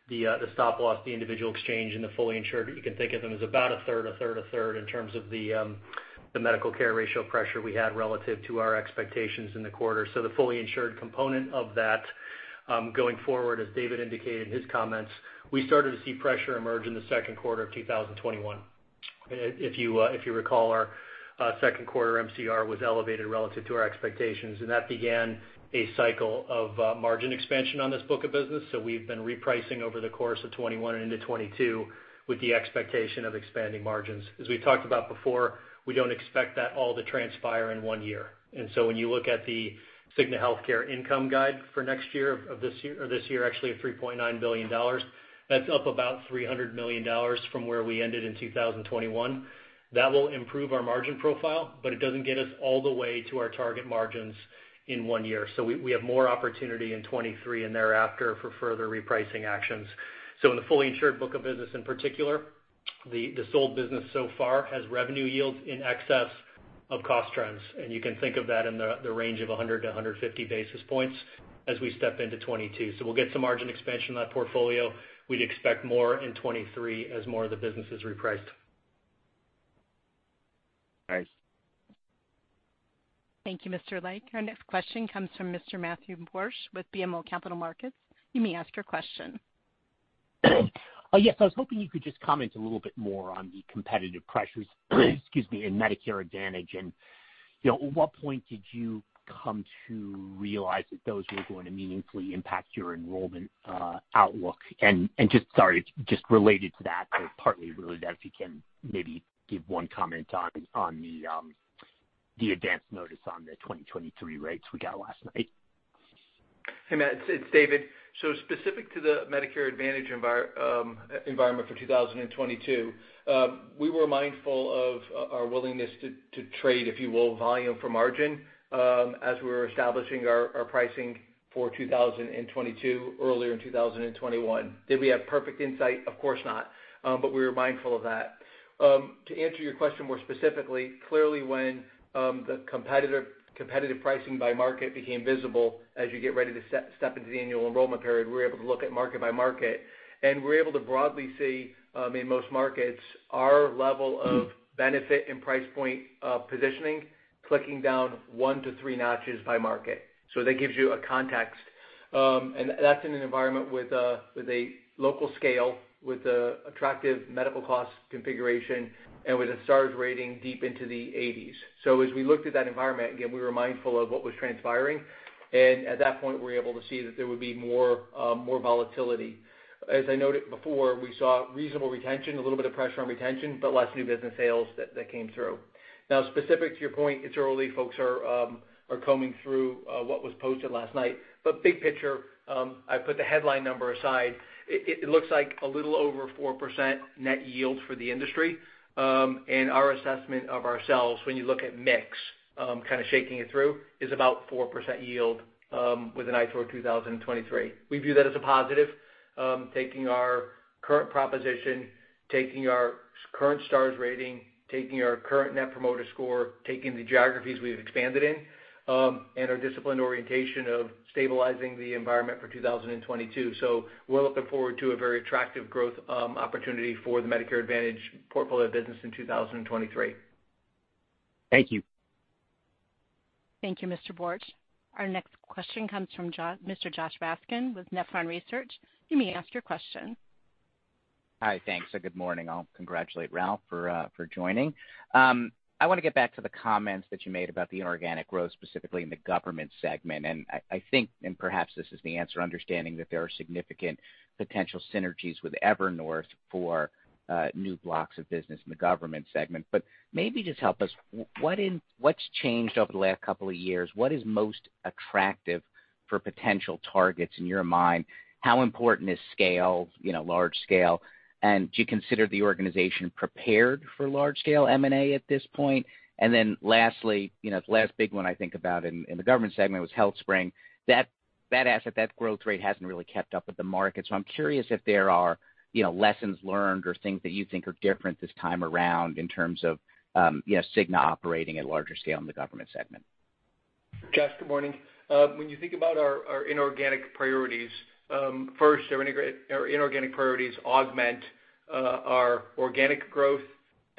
Speaker 4: the stop-loss, the individual exchange, and the fully insured, you can think of them as about a third, a third, a third in terms of the medical care ratio pressure we had relative to our expectations in the quarter. The fully insured component of that, going forward, as David indicated in his comments, we started to see pressure emerge in the Q2 of 2021. If you recall, our Q2 MCR was elevated relative to our expectations, and that began a cycle of margin expansion on this book of business. We've been repricing over the course of 2021 into 2022 with the expectation of expanding margins. As we talked about before, we don't expect that all to transpire in one year. When you look at the Cigna Healthcare income guide for next year of this year, or this year actually, of $3.9 billion, that's up about $300 million from where we ended in 2021. That will improve our margin profile, but it doesn't get us all the way to our target margins in one year. We have more opportunity in 2023 and thereafter for further repricing actions. In the fully insured book of business in particular, the sold business so far has revenue yields in excess of cost trends, and you can think of that in the range of 100-150 basis points as we step into 2022. We'll get some margin expansion in that portfolio. We'd expect more in 2023 as more of the business is repriced.
Speaker 10: Thanks.
Speaker 1: Thank you, Mr. Lake. Our next question comes from Mr. Matthew Borsch with BMO Capital Markets. You may ask your question.
Speaker 11: Yes, I was hoping you could just comment a little bit more on the competitive pressures, excuse me, in Medicare Advantage. You know, at what point did you come to realize that those were going to meaningfully impact your enrollment outlook? Just, sorry, just related to that or partly related if you can maybe give one comment on the advance notice on the 2023 rates we got last night.
Speaker 3: Hey, Matt, it's David. Specific to the Medicare Advantage environment for 2022, we were mindful of our willingness to trade, if you will, volume for margin, as we were establishing our pricing for 2022 earlier in 2021. Did we have perfect insight? Of course not, but we were mindful of that. To answer your question more specifically, clearly when the competitive pricing by market became visible as you get ready to step into the annual enrollment period, we were able to look at market by market, and we were able to broadly see in most markets our level of benefit and price point positioning clicking down 1-3 notches by market. That gives you a context. That's in an environment with a local scale, with an attractive medical cost configuration and with a Star Ratings deep into the 80s. As we looked at that environment, again, we were mindful of what was transpiring, and at that point, we were able to see that there would be more volatility. As I noted before, we saw reasonable retention, a little bit of pressure on retention, but less new business sales that came through. Now, specific to your point, it's early. Folks are combing through what was posted last night. Big picture, I put the headline number aside. It looks like a little over 4% net yield for the industry. Our assessment of ourselves when you look at mix, kinda shaking it through, is about 4% yield, with an eye toward 2023. We view that as a positive, taking our current proposition, taking our current Star Ratings, taking our current net promoter score, taking the geographies we've expanded in, and our disciplined orientation of stabilizing the environment for 2022. We're looking forward to a very attractive growth opportunity for the Medicare Advantage portfolio business in 2023.
Speaker 11: Thank you.
Speaker 1: Thank you, Mr. Borsch. Our next question comes from Mr. Joshua Raskin with Nephron Research. You may ask your question.
Speaker 12: Hi. Thanks, and good morning. I'll congratulate Ralph for joining. I wanna get back to the comments that you made about the inorganic growth, specifically in the government segment. I think, and perhaps this is the answer, understanding that there are significant potential synergies with Evernorth for new blocks of business in the government segment. Maybe just help us, what's changed over the last couple of years? What is most attractive for potential targets in your mind? How important is scale, you know, large scale? Do you consider the organization prepared for large scale M&A at this point? Lastly, you know, the last big one I think about in the government segment was HealthSpring. That asset, that growth rate hasn't really kept up with the market. I'm curious if there are, you know, lessons learned or things that you think are different this time around in terms of, you know, Cigna operating at larger scale in the government segment.
Speaker 3: Josh, good morning. When you think about our inorganic priorities, first our inorganic priorities augment our organic growth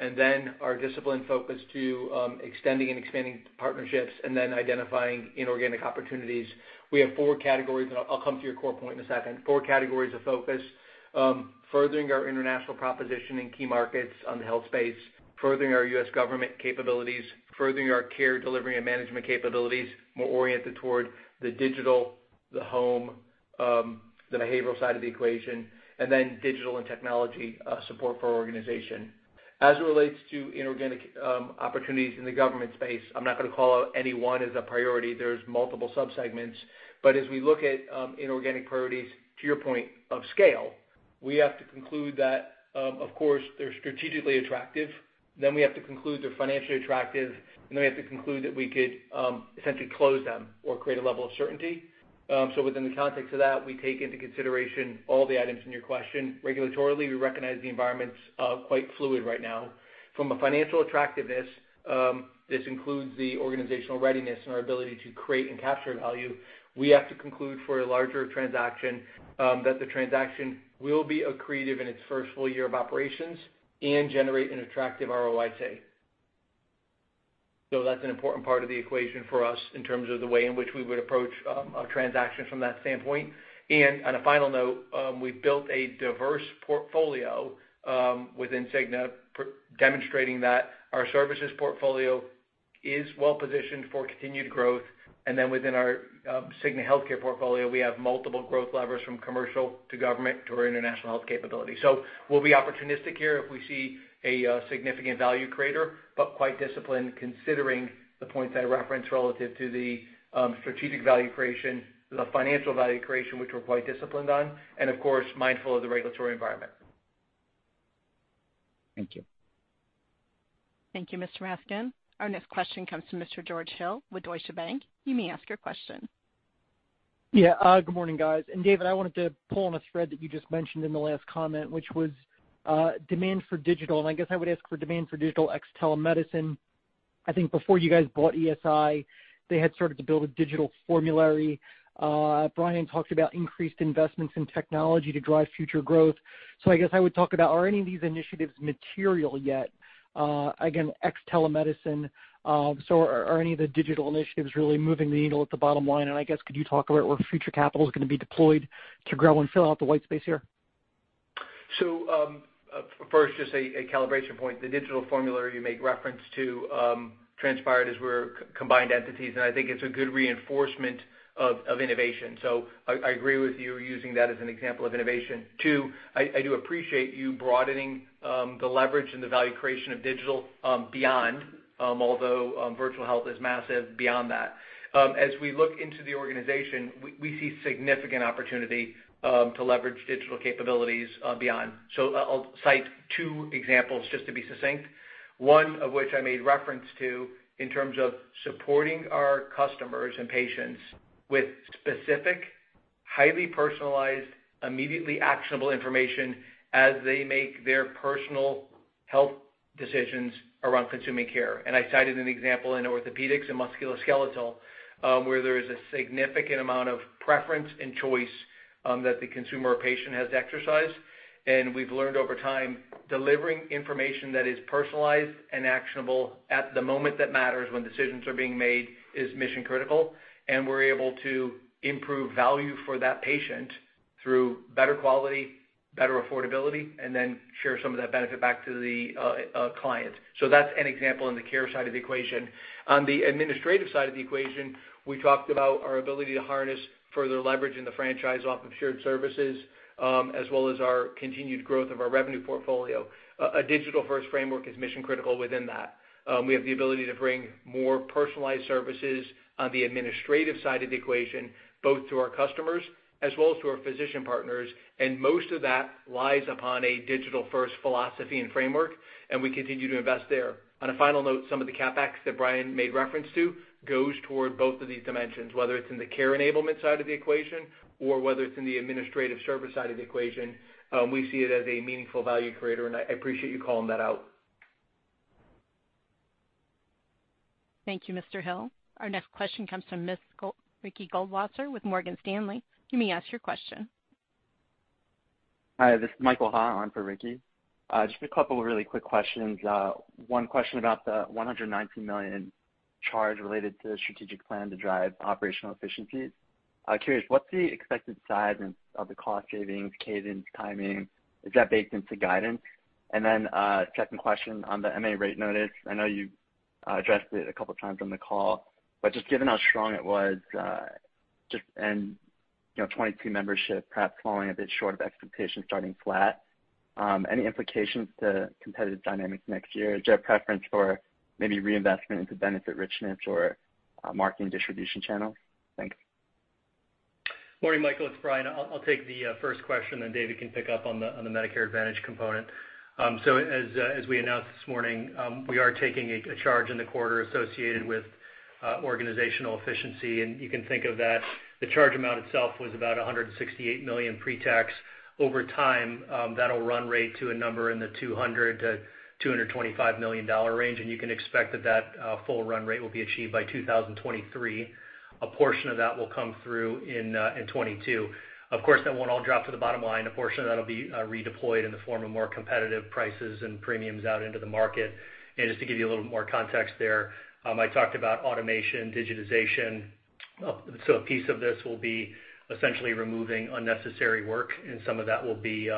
Speaker 3: and then our disciplined focus to extending and expanding partnerships and then identifying inorganic opportunities. We have four categories, and I'll come to your core point in a second. Four categories of focus, furthering our international proposition in key markets on the health space, furthering our U.S. government capabilities, furthering our care delivery and management capabilities, more oriented toward the digital, the home, the behavioral side of the equation, and then digital and technology support for our organization. As it relates to inorganic opportunities in the government space, I'm not gonna call out any one as a priority. There's multiple subsegments, but as we look at inorganic priorities, to your point of scale, we have to conclude that, of course, they're strategically attractive, then we have to conclude they're financially attractive. We have to conclude that we could essentially close them or create a level of certainty. Within the context of that, we take into consideration all the items in your question. Regulatorily, we recognize the environment's quite fluid right now. From a financial attractiveness, this includes the organizational readiness and our ability to create and capture value. We have to conclude for a larger transaction that the transaction will be accretive in its first full year of operations and generate an attractive ROIC. That's an important part of the equation for us in terms of the way in which we would approach a transaction from that standpoint. On a final note, we've built a diverse portfolio within Cigna demonstrating that our services portfolio is well positioned for continued growth. Then within our Cigna Healthcare portfolio, we have multiple growth levers from commercial to government to our international health capability. We'll be opportunistic here if we see a significant value creator, but quite disciplined considering the points I referenced relative to the strategic value creation, the financial value creation, which we're quite disciplined on, and of course, mindful of the regulatory environment.
Speaker 12: Thank you.
Speaker 1: Thank you, Mr. Raskin. Our next question comes from Mr. George Hill with Deutsche Bank. You may ask your question.
Speaker 13: Yeah, good morning, guys. David, I wanted to pull on a thread that you just mentioned in the last comment, which was demand for digital, and I guess I would ask for demand for digital ex telemedicine. I think before you guys bought ESI, they had started to build a digital formulary. Brian talked about increased investments in technology to drive future growth. I guess I would talk about, are any of these initiatives material yet, again, ex telemedicine? Are any of the digital initiatives really moving the needle at the bottom line? I guess, could you talk about where future capital is gonna be deployed to grow and fill out the white space here?
Speaker 3: First, just a calibration point. The Digital Formulary you make reference to transpired as we're combined entities, and I think it's a good reinforcement of innovation. I agree with you using that as an example of innovation. Two, I do appreciate you broadening the leverage and the value creation of digital beyond, although virtual health is massive, beyond that. As we look into the organization, we see significant opportunity to leverage digital capabilities beyond. I'll cite two examples just to be succinct. One of which I made reference to in terms of supporting our customers and patients with specific, highly personalized, immediately actionable information as they make their personal health decisions around consuming care. I cited an example in orthopedics and musculoskeletal, where there is a significant amount of preference and choice that the consumer or patient has exercised. We've learned over time, delivering information that is personalized and actionable at the moment that matters when decisions are being made is mission critical, and we're able to improve value for that patient through better quality, better affordability, and then share some of that benefit back to the client. That's an example on the care side of the equation. On the administrative side of the equation, we talked about our ability to harness further leverage in the franchise off of shared services, as well as our continued growth of our revenue portfolio. A digital-first framework is mission critical within that. We have the ability to bring more personalized services on the administrative side of the equation, both to our customers as well as to our physician partners, and most of that lies upon a digital-first philosophy and framework, and we continue to invest there. On a final note, some of the CapEx that Brian made reference to goes toward both of these dimensions, whether it's in the care enablement side of the equation or whether it's in the administrative service side of the equation, we see it as a meaningful value creator, and I appreciate you calling that out.
Speaker 1: Thank you, Mr. Hill. Our next question comes from Ricky Goldwasser with Morgan Stanley. You may ask your question.
Speaker 14: Hi, this is Michael Ha on for Ricky. Just a couple of really quick questions. One question about the $119 million charge related to the strategic plan to drive operational efficiencies. Curious, what's the expected size and timing of the cost savings, cadence? Is that baked into guidance? Then, second question on the MA rate notice. I know you addressed it a couple times on the call, but just given how strong it was, and you know, 2022 membership perhaps falling a bit short of expectations starting flat, any implications to competitive dynamics next year? Is there a preference for maybe reinvestment into benefit richness or marketing distribution channels? Thanks.
Speaker 4: Morning, Michael. It's Brian. I'll take the first question, then David can pick up on the Medicare Advantage component. So as we announced this morning, we are taking a charge in the quarter associated with organizational efficiency, and you can think of that the charge amount itself was about $168 million pre-tax. Over time, that'll run rate to a number in the $20-225 million range, and you can expect that full run rate will be achieved by 2023. A portion of that will come through in 2022. Of course, that won't all drop to the bottom line. A portion of that'll be redeployed in the form of more competitive prices and premiums out into the market. Just to give you a little more context there, I talked about automation, digitization. Well, a piece of this will be essentially removing unnecessary work, and some of that will be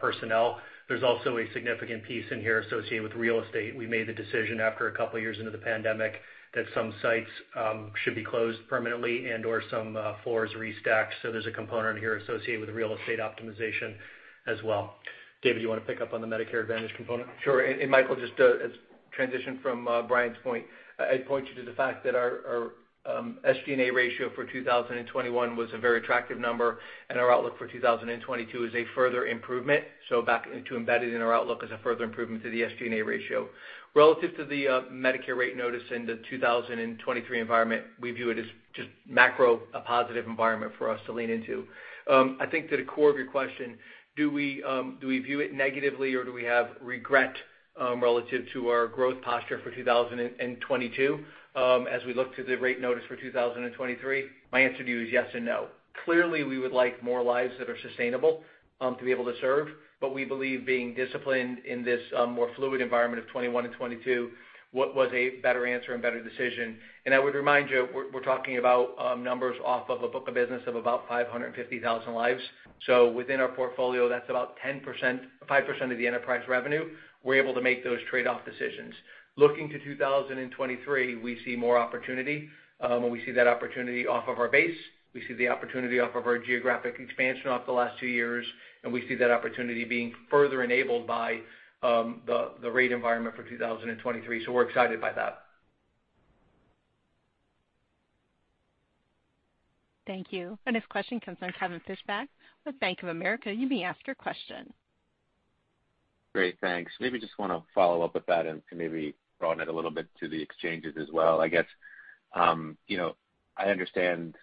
Speaker 4: personnel. There's also a significant piece in here associated with real estate. We made the decision after a couple years into the pandemic that some sites should be closed permanently and/or some floors restacked. There's a component here associated with real estate optimization as well. David, you wanna pick up on the Medicare Advantage component?
Speaker 3: Sure. Michael, just as a transition from Brian's point, I'd point you to the fact that our SG&A ratio for 2021 was a very attractive number, and our outlook for 2022 is a further improvement, so baked into our outlook is a further improvement to the SG&A ratio. Relative to the Medicare rate notice in the 2023 environment, we view it as just a macro positive environment for us to lean into. I think to the core of your question, do we view it negatively, or do we have regret relative to our growth posture for 2022, as we look to the rate notice for 2023? My answer to you is yes and no. Clearly, we would like more lives that are sustainable, to be able to serve, but we believe being disciplined in this, more fluid environment of 2021 and 2022, what was a better answer and better decision. I would remind you, we're talking about numbers off of a book of business of about 550,000 lives. Within our portfolio, that's about 10%—5% of the enterprise revenue, we're able to make those trade-off decisions. Looking to 2023, we see more opportunity, and we see that opportunity off of our base. We see the opportunity off of our geographic expansion off the last two years, and we see that opportunity being further enabled by, the rate environment for 2023, we're excited by that.
Speaker 1: Thank you. Our next question comes from Kevin Fischbeck with Bank of America. You may ask your question.
Speaker 15: Great. Thanks. Maybe just wanna follow up with that and maybe broaden it a little bit to the exchanges as well, I guess. You know, I understand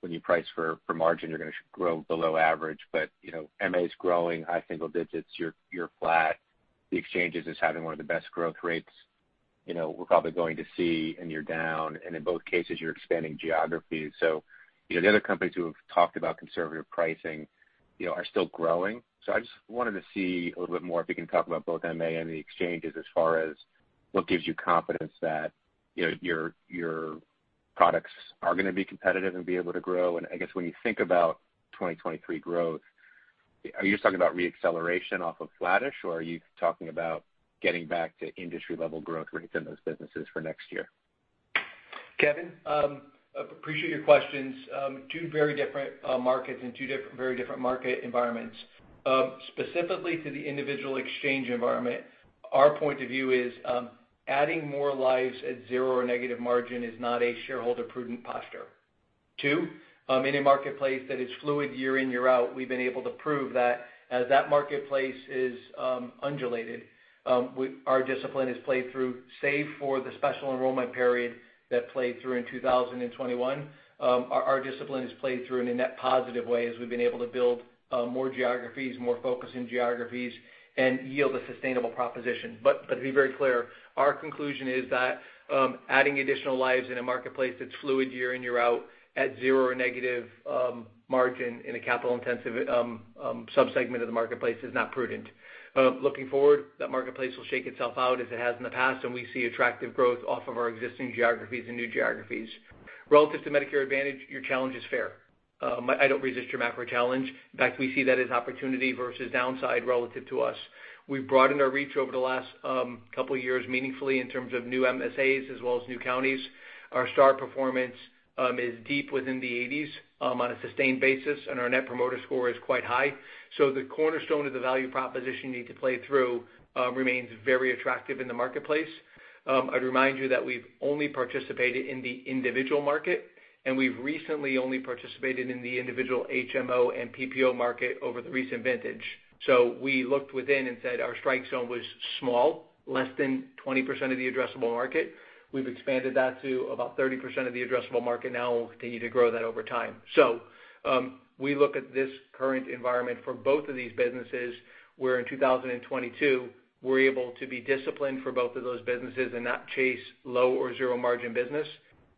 Speaker 15: when you price for margin, you're gonna grow below average. You know, MA's growing high single digits, you're flat. The exchanges is having one of the best growth rates you know, we're probably going to see, and you're down, and in both cases, you're expanding geographies. You know, the other companies who have talked about conservative pricing, you know, are still growing. I just wanted to see a little bit more if you can talk about both MA and the exchanges as far as what gives you confidence that, you know, your products are gonna be competitive and be able to grow. I guess when you think about 2023 growth, are you just talking about reacceleration off of flattish, or are you talking about getting back to industry-level growth rates in those businesses for next year?
Speaker 3: Kevin, appreciate your questions. Two very different markets and two very different market environments. Specifically to the individual exchange environment, our point of view is, adding more lives at zero or negative margin is not a shareholder-prudent posture. Two, in a marketplace that is fluid year in, year out, we've been able to prove that as that marketplace is undulated, our discipline has played through, save for the Special Enrollment Period that played through in 2021. Our discipline has played through in a net positive way as we've been able to build more geographies, more focus in geographies, and yield a sustainable proposition. To be very clear, our conclusion is that adding additional lives in a marketplace that's fluid year in, year out at zero or negative margin in a capital-intensive subsegment of the marketplace is not prudent. Looking forward, that marketplace will shake itself out as it has in the past, and we see attractive growth off of our existing geographies and new geographies. Relative to Medicare Advantage, your challenge is fair. I don't resist your macro challenge. In fact, we see that as opportunity versus downside relative to us. We've broadened our reach over the last couple years meaningfully in terms of new MSAs as well as new counties. Our Star performance is deep within the eighties on a sustained basis, and our net promoter score is quite high. The cornerstone of the value proposition you need to play through remains very attractive in the marketplace. I'd remind you that we've only participated in the individual market, and we've recently only participated in the individual HMO and PPO market over the recent vintage. We looked within and said our strike zone was small, less than 20% of the addressable market. We've expanded that to about 30% of the addressable market now, and we'll continue to grow that over time. We look at this current environment for both of these businesses, where in 2022, we're able to be disciplined for both of those businesses and not chase low or zero margin business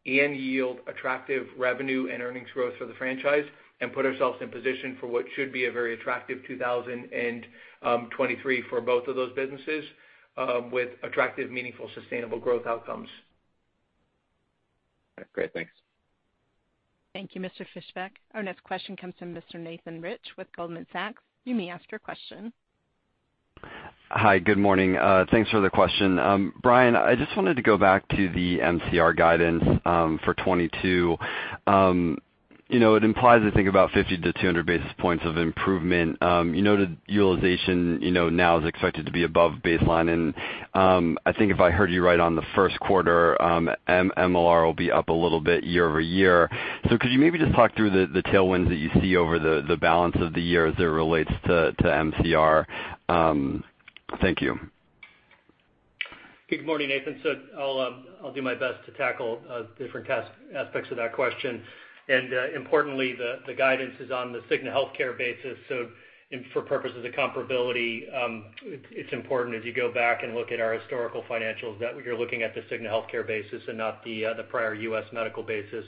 Speaker 3: and yield attractive revenue and earnings growth for the franchise and put ourselves in position for what should be a very attractive 2023 for both of those businesses, with attractive, meaningful, sustainable growth outcomes.
Speaker 15: Great. Thanks.
Speaker 1: Thank you, Mr. Fischbeck. Our next question comes from Mr. Nathan Rich with Goldman Sachs. You may ask your question.
Speaker 16: Hi. Good morning. Thanks for the question. Brian, I just wanted to go back to the MCR guidance for 2022. You know, it implies, I think, about 50-200 basis points of improvement. You noted utilization, you know, now is expected to be above baseline. I think if I heard you right on the Q1, MLR will be up a little bit year-over-year. Could you maybe just talk through the tailwinds that you see over the balance of the year as it relates to MCR? Thank you.
Speaker 4: Good morning, Nathan. I'll do my best to tackle different aspects of that question. Importantly, the guidance is on the Cigna Healthcare basis. For purposes of comparability, it's important as you go back and look at our historical financials that you're looking at the Cigna Healthcare basis and not the prior U.S. Medical basis.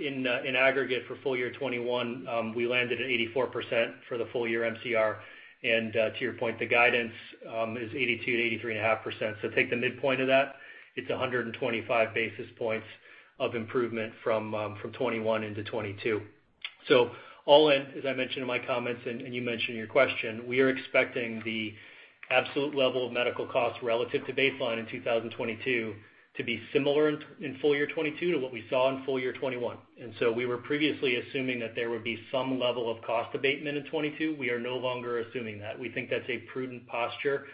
Speaker 4: In aggregate for full year 2021, we landed at 84% for the full year MCR. To your point, the guidance is 82%-83.5%. Take the midpoint of that, it's 125 basis points of improvement from 2021 into 2022. All in, as I mentioned in my comments and you mentioned in your question, we are expecting the absolute level of medical costs relative to baseline in 2022 to be similar in full year 2022 to what we saw in full year 2021. We were previously assuming that there would be some level of cost abatement in 2022. We are no longer assuming that. We think that's a prudent posture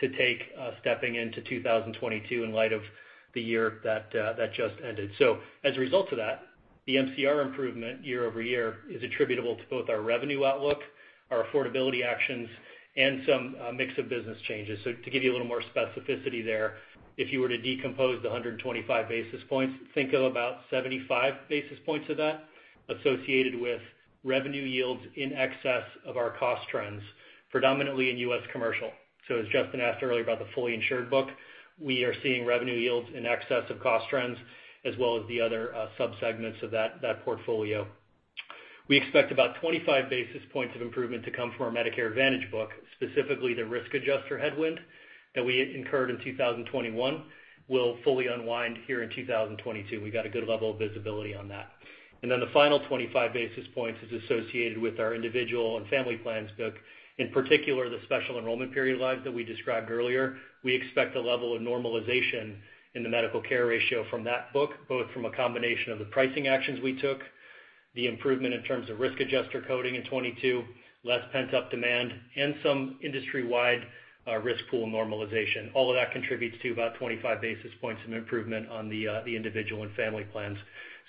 Speaker 4: to take, stepping into 2022 in light of the year that just ended. As a result of that, the MCR improvement year-over-year is attributable to both our revenue outlook, our affordability actions, and some mix of business changes. To give you a little more specificity there, if you were to decompose the 125 basis points, think of about 75 basis points of that associated with revenue yields in excess of our cost trends, predominantly in U.S. commercial. As Justin asked earlier about the fully insured book, we are seeing revenue yields in excess of cost trends, as well as the other subsegments of that portfolio. We expect about 25 basis points of improvement to come from our Medicare Advantage book, specifically the risk adjuster headwind that we incurred in 2021 will fully unwind here in 2022. We've got a good level of visibility on that. Then the final 25 basis points is associated with our Individual and Family Plans book, in particular, the Special Enrollment Period lives that we described earlier. We expect a level of normalization in the medical care ratio from that book, both from a combination of the pricing actions we took, the improvement in terms of risk adjuster coding in 2022, less pent-up demand, and some industry-wide risk pool normalization. All of that contributes to about 25 basis points of improvement on the individual and family plans.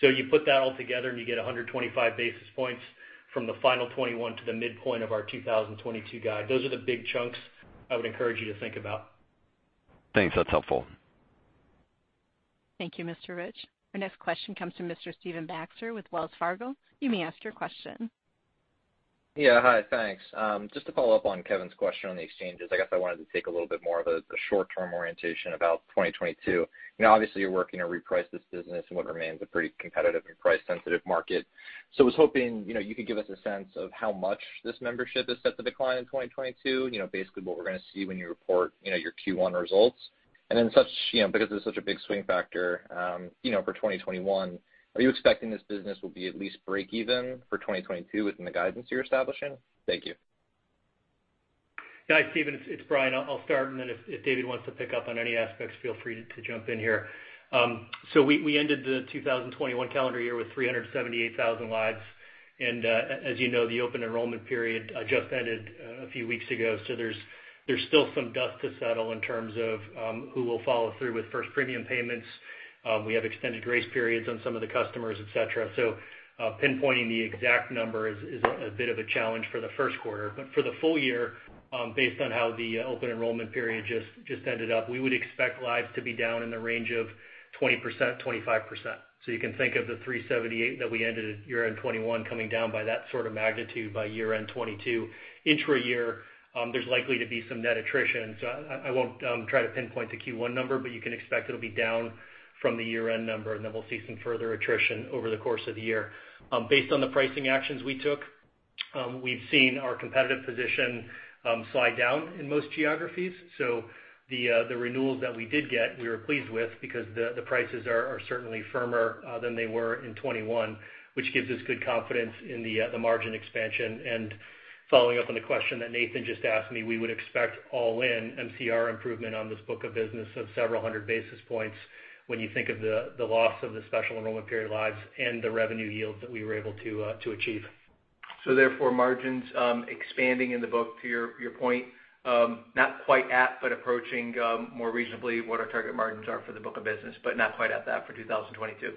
Speaker 4: You put that all together, and you get 125 basis points from the final 2021 to the midpoint of our 2022 guide. Those are the big chunks I would encourage you to think about.
Speaker 16: Thanks. That's helpful.
Speaker 1: Thank you, Mr. Rich. Our next question comes from Mr. Stephen Baxter with Wells Fargo. You may ask your question.
Speaker 17: Yeah. Hi, thanks. Just to follow up on Kevin's question on the exchanges, I guess I wanted to take a little bit more of a short-term orientation about 2022. You know, obviously, you're working to reprice this business in what remains a pretty competitive and price sensitive market. So I was hoping, you know, you could give us a sense of how much this membership is set to decline in 2022, you know, basically what we're gonna see when you report, you know, your Q1 results. And then, you know, because it's such a big swing factor, you know, for 2021, are you expecting this business will be at least break even for 2022 within the guidance you're establishing? Thank you.
Speaker 4: Yeah. Stephen, it's Brian. I'll start, and then if David wants to pick up on any aspects, feel free to jump in here. As you know, the open enrollment period just ended a few weeks ago, so there's still some dust to settle in terms of who will follow through with first premium payments. We have extended grace periods on some of the customers, et cetera. Pinpointing the exact number is a bit of a challenge for the Q1. For the full year, based on how the open enrollment period just ended up, we would expect lives to be down in the range of 20%-25%. You can think of the 378 that we ended at year-end 2021 coming down by that sort of magnitude by year-end 2022. Intra-year, there's likely to be some net attrition. I won't try to pinpoint the Q1 number, but you can expect it'll be down from the year-end number, and then we'll see some further attrition over the course of the year. Based on the pricing actions we took, we've seen our competitive position slide down in most geographies. The renewals that we did get, we were pleased with because the prices are certainly firmer than they were in 2021, which gives us good confidence in the margin expansion. Following up on the question that Nathan just asked me, we would expect all-in MCR improvement on this book of business of several hundred basis points when you think of the loss of the Special Enrollment Period lives and the revenue yields that we were able to achieve. Therefore, margins expanding in the book to your point, not quite at, but approaching more reasonably what our target margins are for the book of business, but not quite at that for 2022.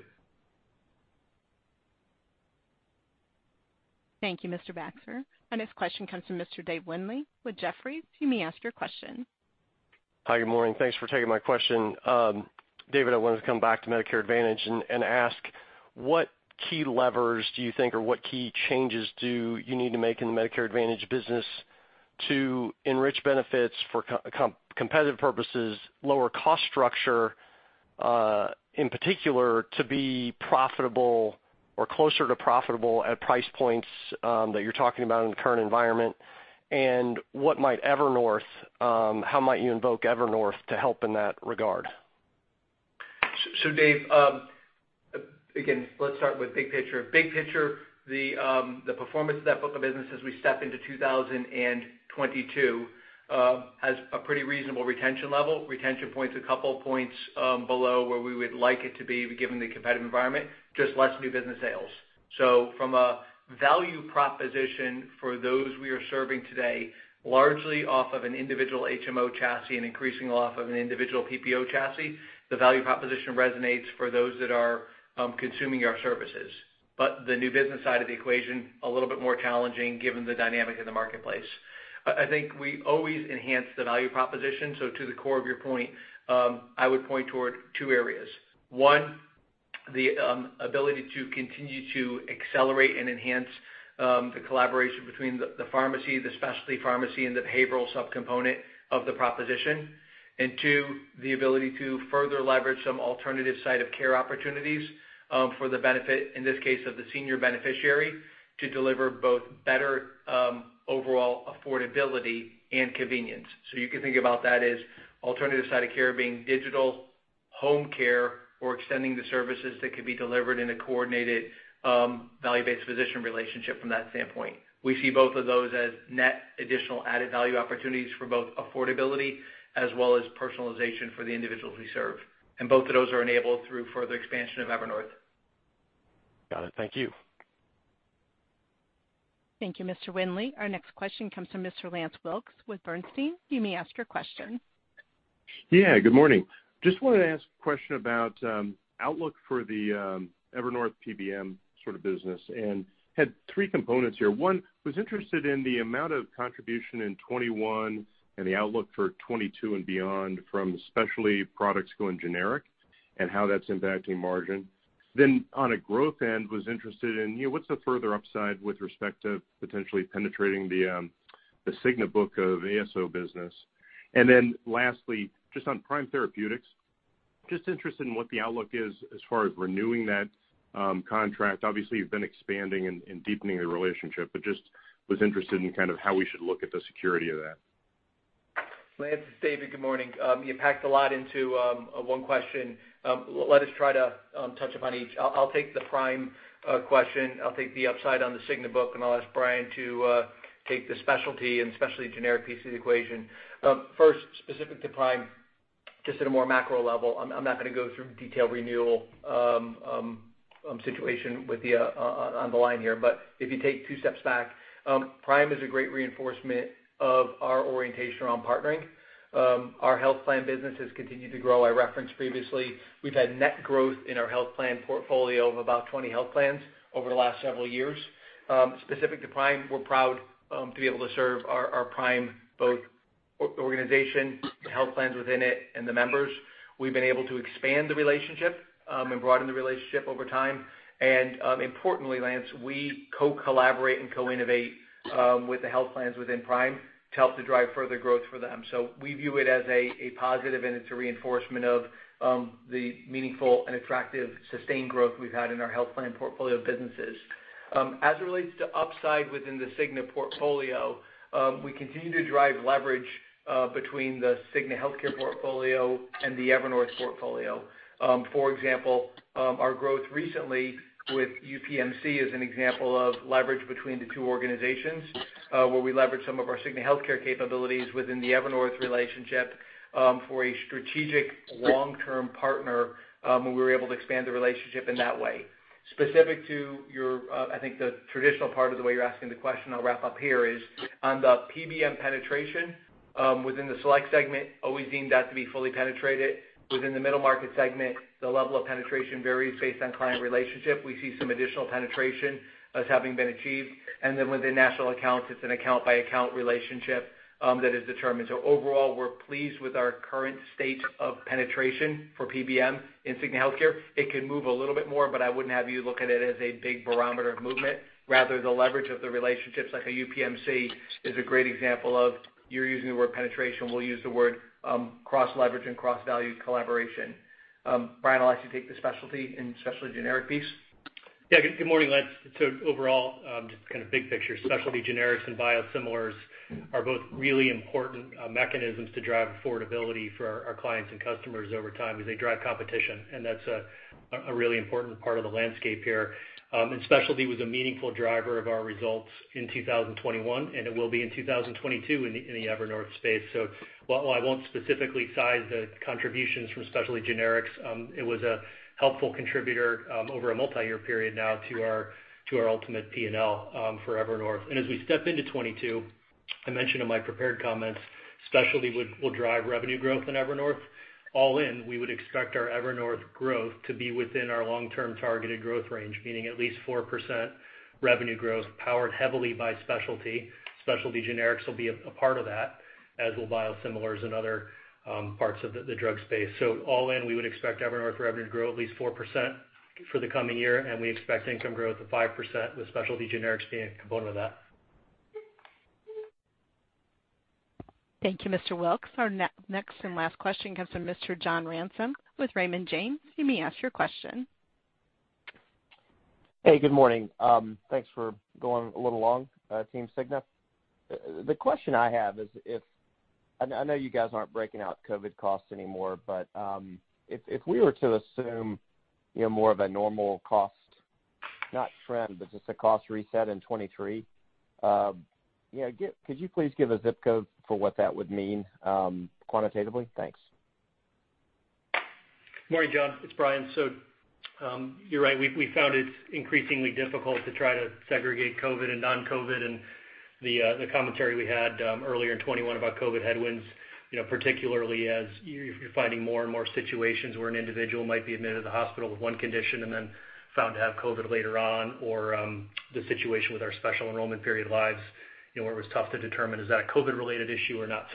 Speaker 1: Thank you, Mr. Baxter. Our next question comes from Mr. David Windley with Jefferies. You may ask your question.
Speaker 18: Hi, good morning. Thanks for taking my question. David, I wanted to come back to Medicare Advantage and ask what key levers do you think or what key changes do you need to make in the Medicare Advantage business to enrich benefits for competitive purposes, lower cost structure, in particular to be profitable or closer to profitable at price points that you're talking about in the current environment? How might you invoke Evernorth to help in that regard?
Speaker 3: So Dave, again, let's start with big picture. Big picture, the performance of that book of business as we step into 2022 has a pretty reasonable retention level, retention point's a couple of points below where we would like it to be given the competitive environment, just less new business sales. From a value proposition for those we are serving today, largely off of an individual HMO chassis and increasing off of an individual PPO chassis, the value proposition resonates for those that are consuming our services. The new business side of the equation, a little bit more challenging given the dynamic in the marketplace. I think we always enhance the value proposition. To the core of your point, I would point toward two areas. One The ability to continue to accelerate and enhance the collaboration between the pharmacy, the specialty pharmacy, and the behavioral subcomponent of the proposition. Two, the ability to further leverage some alternative site of care opportunities, for the benefit, in this case, of the senior beneficiary to deliver both better overall affordability and convenience. You can think about that as alternative site of care being digital home care or extending the services that could be delivered in a coordinated value-based physician relationship from that standpoint. We see both of those as net additional added value opportunities for both affordability as well as personalization for the individuals we serve. Both of those are enabled through further expansion of Evernorth.
Speaker 18: Got it. Thank you.
Speaker 1: Thank you, Mr. Windley. Our next question comes from Mr. Lance Wilkes with Bernstein. You may ask your question.
Speaker 19: Yeah, good morning. Just wanted to ask a question about outlook for the Evernorth PBM sort of business, and had three components here. One, was interested in the amount of contribution in 2021 and the outlook for 2022 and beyond from specialty products going generic and how that's impacting margin. Then on a growth end, was interested in, you know, what's the further upside with respect to potentially penetrating the Cigna book of ASO business. And then lastly, just on Prime Therapeutics, just interested in what the outlook is as far as renewing that contract. Obviously, you've been expanding and deepening the relationship, but just was interested in kind of how we should look at the security of that.
Speaker 3: Lance, it's David. Good morning. You packed a lot into one question. Let us try to touch upon each. I'll take the Prime question. I'll take the upside on the Cigna book, and I'll ask Brian to take the specialty and specialty generic piece of the equation. First, specific to Prime, just at a more macro level, I'm not gonna go through detailed renewal situation with the on the line here. If you take two steps back, Prime is a great reinforcement of our orientation around partnering. Our health plan business has continued to grow. I referenced previously, we've had net growth in our health plan portfolio of about 20 health plans over the last several years. Specific to Prime, we're proud to be able to serve our Prime, both our organization, the health plans within it and the members. We've been able to expand the relationship and broaden the relationship over time. Importantly, Lance, we co-collaborate and co-innovate with the health plans within Prime to help to drive further growth for them. We view it as a positive, and it's a reinforcement of the meaningful and attractive sustained growth we've had in our health plan portfolio of businesses. As it relates to upside within the Cigna portfolio, we continue to drive leverage between the Cigna Healthcare portfolio and the Evernorth portfolio. For example, our growth recently with UPMC is an example of leverage between the two organizations, where we leverage some of our Cigna Healthcare capabilities within the Evernorth relationship, for a strategic long-term partner, where we were able to expand the relationship in that way. Specific to your, I think the traditional part of the way you're asking the question, I'll wrap up here, is on the PBM penetration, within the select segment, always deemed that to be fully penetrated. Within the middle market segment, the level of penetration varies based on client relationship. We see some additional penetration as having been achieved. Then within national accounts, it's an account-by-account relationship, that is determined. Overall, we're pleased with our current state of penetration for PBM in Cigna Healthcare. It can move a little bit more, but I wouldn't have you look at it as a big barometer of movement. Rather, the leverage of the relationships like a UPMC is a great example of, you're using the word penetration, we'll use the word, cross-leverage and cross-value collaboration. Brian, I'll ask you to take the specialty and specialty generic piece.
Speaker 4: Yeah. Good morning, Lance. Overall, just kind of big picture, specialty generics and biosimilars are both really important mechanisms to drive affordability for our clients and customers over time as they drive competition, and that's a really important part of the landscape here. Specialty was a meaningful driver of our results in 2021, and it will be in 2022 in the Evernorth space. While I won't specifically size the contributions from specialty generics, it was a helpful contributor over a multiyear period now to our ultimate P&L for Evernorth. As we step into 2022, I mentioned in my prepared comments, specialty will drive revenue growth in Evernorth. All in, we would expect our Evernorth growth to be within our long-term targeted growth range, meaning at least 4% revenue growth, powered heavily by specialty. Specialty generics will be a part of that, as will biosimilars and other parts of the drug space. All in, we would expect Evernorth revenue to grow at least 4% for the coming year, and we expect income growth of 5%, with specialty generics being a component of that.
Speaker 1: Thank you, Mr. Wilkes. Our next and last question comes from Mr. John Ransom with Raymond James. You may ask your question.
Speaker 20: Hey, good morning. Thanks for going a little long, Team Cigna. The question I have is, I know you guys aren't breaking out COVID costs anymore, but if we were to assume, you know, more of a normal cost, not trend, but just a cost reset in 2023, you know, could you please give a zip code for what that would mean quantitatively? Thanks.
Speaker 4: Morning, John. It's Brian. You're right. We found it increasingly difficult to try to segregate COVID and non-COVID, and The commentary we had earlier in 2021 about COVID headwinds, you know, particularly as you're finding more and more situations where an individual might be admitted to the hospital with one condition and then found to have COVID later on, or the situation with our Special Enrollment Period lives, you know, where it was tough to determine is that a COVID-related issue or not.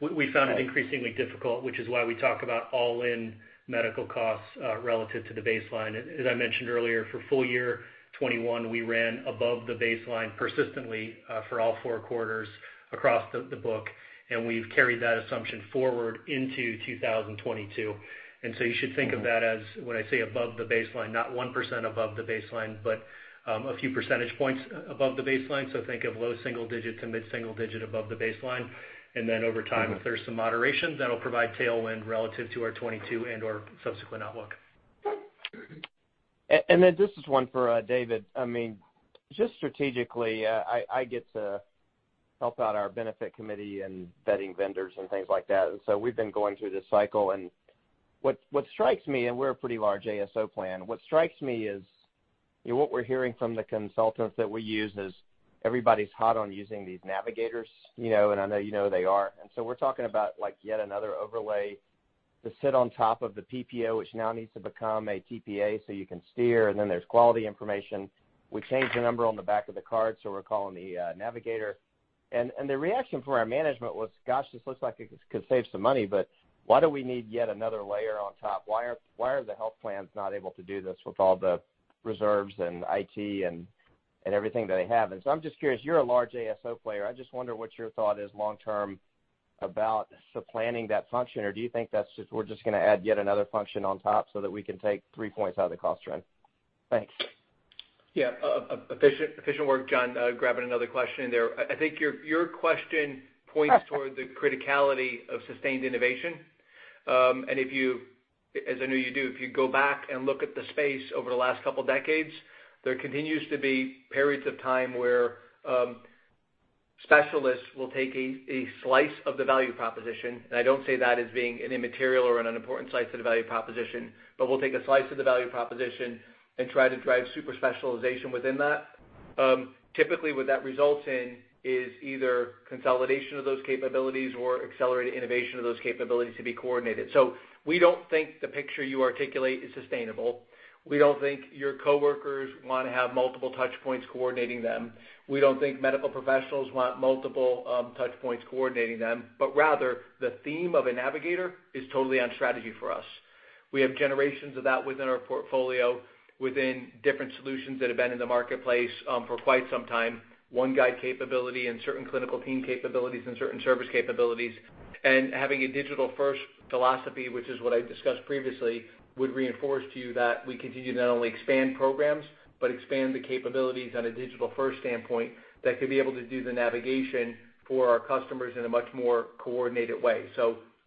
Speaker 4: We found it increasingly difficult, which is why we talk about all-in medical costs relative to the baseline. As I mentioned earlier, for full year 2021, we ran above the baseline persistently for all four quarters across the book, and we've carried that assumption forward into 2022. You should think of that as when I say above the baseline, not 1% above the baseline, but a few percentage points above the baseline. Think of low single digit to mid single digit above the baseline. Over time, if there's some moderation, that'll provide tailwind relative to our 2022 and/or subsequent outlook.
Speaker 20: Then this is one for David. I mean, just strategically, I get to help out our benefit committee in vetting vendors and things like that. We've been going through this cycle and what strikes me, and we're a pretty large ASO plan, what strikes me is, you know, what we're hearing from the consultants that we use is everybody's hot on using these navigators, you know, and I know you know they are. We're talking about like yet another overlay to sit on top of the PPO, which now needs to become a TPA so you can steer. Then there's quality information. We change the number on the back of the card, so we're calling the navigator. The reaction from our management was, gosh, this looks like it could save some money, but why do we need yet another layer on top? Why are the health plans not able to do this with all the reserves and IT and everything that they have? I'm just curious, you're a large ASO player. I just wonder what your thought is long term about supplanting that function. Or do you think that's just we're just gonna add yet another function on top so that we can take three points out of the cost trend? Thanks.
Speaker 3: Yeah. Efficient work, John, grabbing another question in there. I think your question points toward the criticality of sustained innovation. If you, as I know you do, if you go back and look at the space over the last couple decades, there continues to be periods of time where specialists will take a slice of the value proposition, and I don't say that as being an immaterial or an unimportant slice to the value proposition, but will take a slice of the value proposition and try to drive super specialization within that. Typically, what that results in is either consolidation of those capabilities or accelerated innovation of those capabilities to be coordinated. We don't think the picture you articulate is sustainable. We don't think your customers wanna have multiple touch points coordinating them. We don't think medical professionals want multiple, touch points coordinating them, but rather the theme of a navigator is totally on strategy for us. We have generations of that within our portfolio, within different solutions that have been in the marketplace, for quite some time, One Guide capability and certain clinical team capabilities and certain service capabilities. Having a digital-first philosophy, which is what I discussed previously, would reinforce to you that we continue to not only expand programs, but expand the capabilities on a digital-first standpoint that could be able to do the navigation for our customers in a much more coordinated way.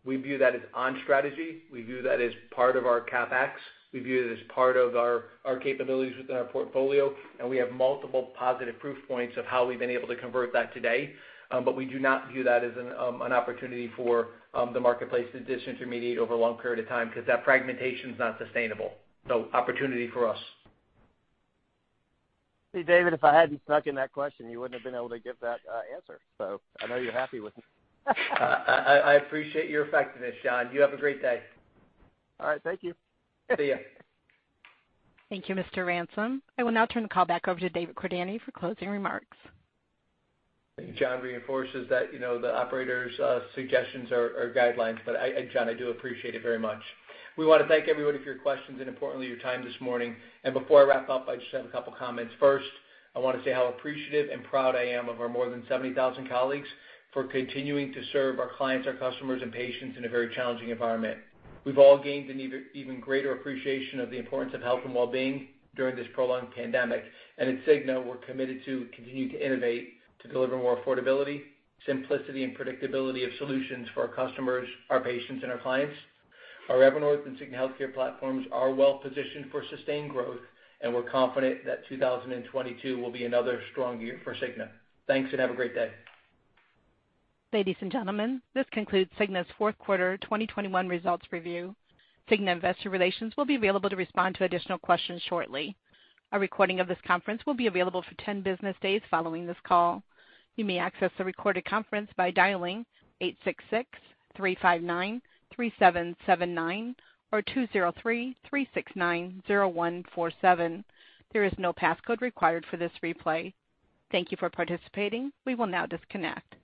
Speaker 3: We view that as on strategy. We view that as part of our CapEx. We view it as part of our capabilities within our portfolio, and we have multiple positive proof points of how we've been able to convert that today. We do not view that as an opportunity for the marketplace to disintermediate over a long period of time because that fragmentation's not sustainable. Opportunity for us.
Speaker 20: See, David, if I hadn't snuck in that question, you wouldn't have been able to give that answer. I know you're happy with me.
Speaker 3: I appreciate your effectiveness, John. You have a great day.
Speaker 20: All right. Thank you.
Speaker 3: See ya.
Speaker 1: Thank you, John Ransom. I will now turn the call back over to David Cordani for closing remarks.
Speaker 3: John reinforces that, you know, the operators' suggestions are guidelines, but I and John, I do appreciate it very much. We wanna thank everybody for your questions and importantly your time this morning. Before I wrap up, I just have a couple comments. First, I wanna say how appreciative and proud I am of our more than 70,000 colleagues for continuing to serve our clients, our customers, and patients in a very challenging environment. We've all gained an even greater appreciation of the importance of health and wellbeing during this prolonged pandemic. At Cigna, we're committed to continue to innovate, to deliver more affordability, simplicity, and predictability of solutions for our customers, our patients, and our clients. Our Evernorth and Cigna Healthcare platforms are well positioned for sustained growth, and we're confident that 2022 will be another strong year for Cigna. Thanks, and have a great day.
Speaker 1: Ladies and gentlemen, this concludes Cigna's Q4 2021 results review. Cigna Investor Relations will be available to respond to additional questions shortly. A recording of this conference will be available for 10 business days following this call. You may access the recorded conference by dialing 866-359-3779 or 203-369-0147. There is no passcode required for this replay. Thank you for participating. We will now disconnect.